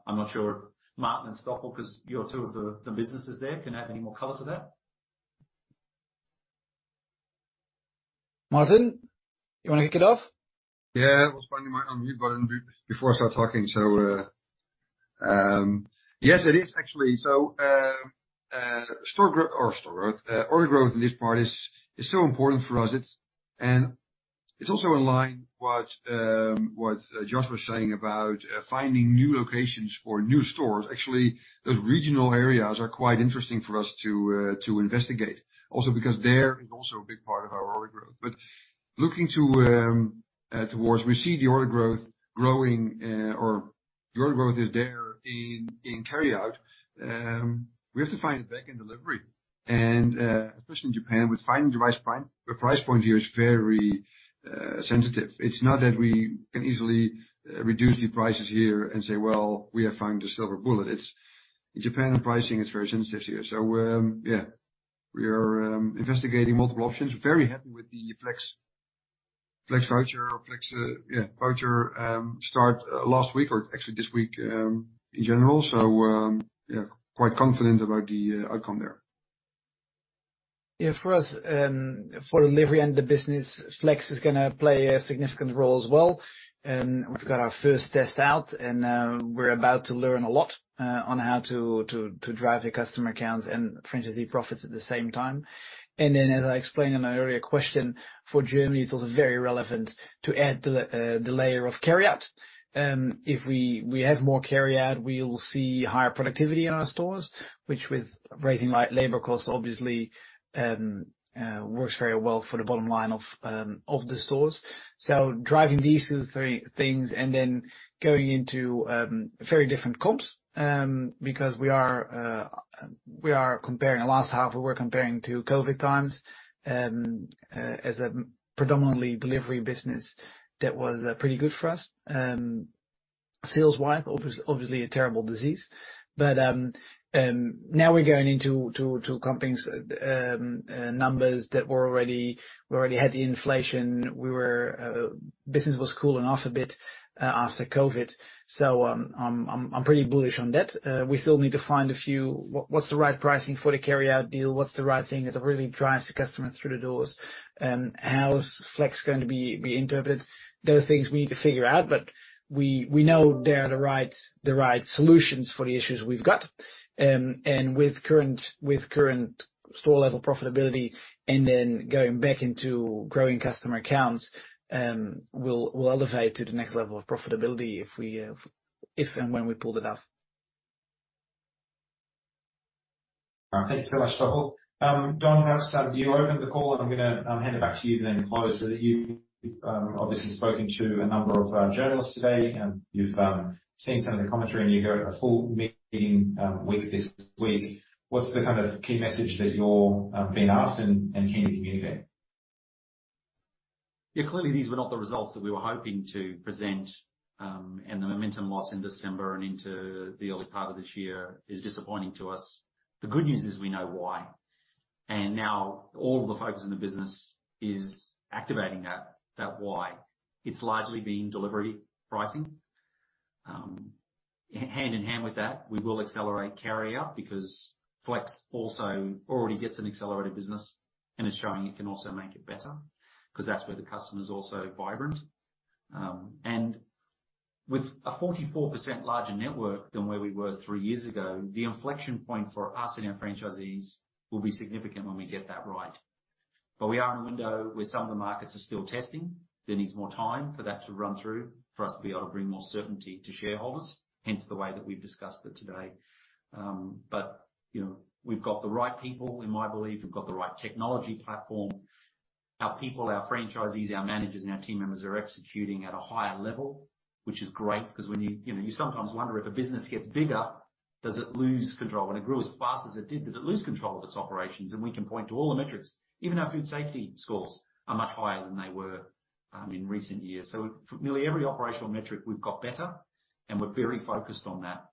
not sure if Martin and Stoffel, because you're two of the businesses there, can add any more color to that. Martin, you wanna kick it off? Yeah. I was finding my unmute button before I start talking. Yes, it is actually. Store growth, order growth in this part is so important for us. It's also in line what Josh was saying about finding new locations for new stores. Actually, those regional areas are quite interesting for us to investigate. Also, because there is also a big part of our order growth. Looking towards, we see the order growth growing, or the order growth is there in carryout, we have to find it back in delivery. Especially in Japan, with finding the price point here is very sensitive. It's not that we can easily reduce the prices here and say, "Well, we have found a silver bullet." In Japan, pricing is very sensitive here. We are investigating multiple options. Very happy with the Flex voucher or Flex voucher start last week or actually this week in general. Quite confident about the outcome there. For us, for delivery and the business, Flex is gonna play a significant role as well. We've got our first test out and we're about to learn a lot on how to drive the customer counts and franchisee profits at the same time. As I explained in an earlier question, for Germany, it's also very relevant to add the layer of carryout. If we add more carryout, we will see higher productivity in our stores, which with raising labor costs, obviously, works very well for the bottom line of the stores. Driving these two, three things and then going into very different comps because we are comparing. Last half, we were comparing to COVID times, as a predominantly delivery business that was pretty good for us, sales-wise. Obviously, a terrible disease. Now we're going into to compings, numbers that were already we already had the inflation. We were, business was cooling off a bit, after COVID. I'm pretty bullish on that. We still need to find a few... What's the right pricing for the carryout deal? What's the right thing that really drives the customer through the doors? How is Flex going to be interpreted? There are things we need to figure out, but we know they are the right solutions for the issues we've got. With current store level profitability and then going back into growing customer accounts, we'll elevate to the next level of profitability if we, if and when we pulled it off. All right. Thank you so much, Rahul. Don, perhaps, you opened the call, and I'm gonna hand it back to you to then close. You've obviously spoken to a number of journalists today, and you've seen some of the commentary, and you've got a full meeting week this week. What's the kind of key message that you're being asked and keen to communicate? Yeah. Clearly, these were not the results that we were hoping to present, and the momentum loss in December and into the early part of this year is disappointing to us. The good news is we know why, and now all of the focus in the business is activating that why. It's largely been delivery pricing. Hand in hand with that, we will accelerate carrier because Flexible also already gets an accelerated business, and it's showing it can also make it better, 'cause that's where the customer is also vibrant. With a 44% larger network than where we were three years ago, the inflection point for us and our franchisees will be significant when we get that right. We are in a window where some of the markets are still testing. There needs more time for that to run through for us to be able to bring more certainty to shareholders, hence the way that we've discussed it today. You know, we've got the right people, in my belief. We've got the right technology platform. Our people, our franchisees, our managers, and our team members are executing at a higher level, which is great because when you know, you sometimes wonder if a business gets bigger, does it lose control? When it grew as fast as it did it lose control of its operations? We can point to all the metrics. Even our food safety scores are much higher than they were in recent years. For nearly every operational metric, we've got better, and we're very focused on that.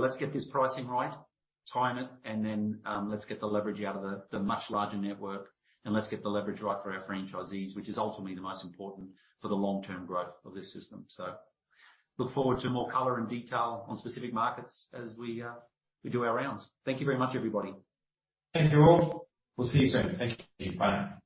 Let's get this pricing right, time it, and then, let's get the leverage out of the much larger network, and let's get the leverage right for our franchisees, which is ultimately the most important for the long-term growth of this system. Look forward to more color and detail on specific markets as we do our rounds. Thank you very much, everybody. Thank you all. We'll see you soon. Thank you. Bye now.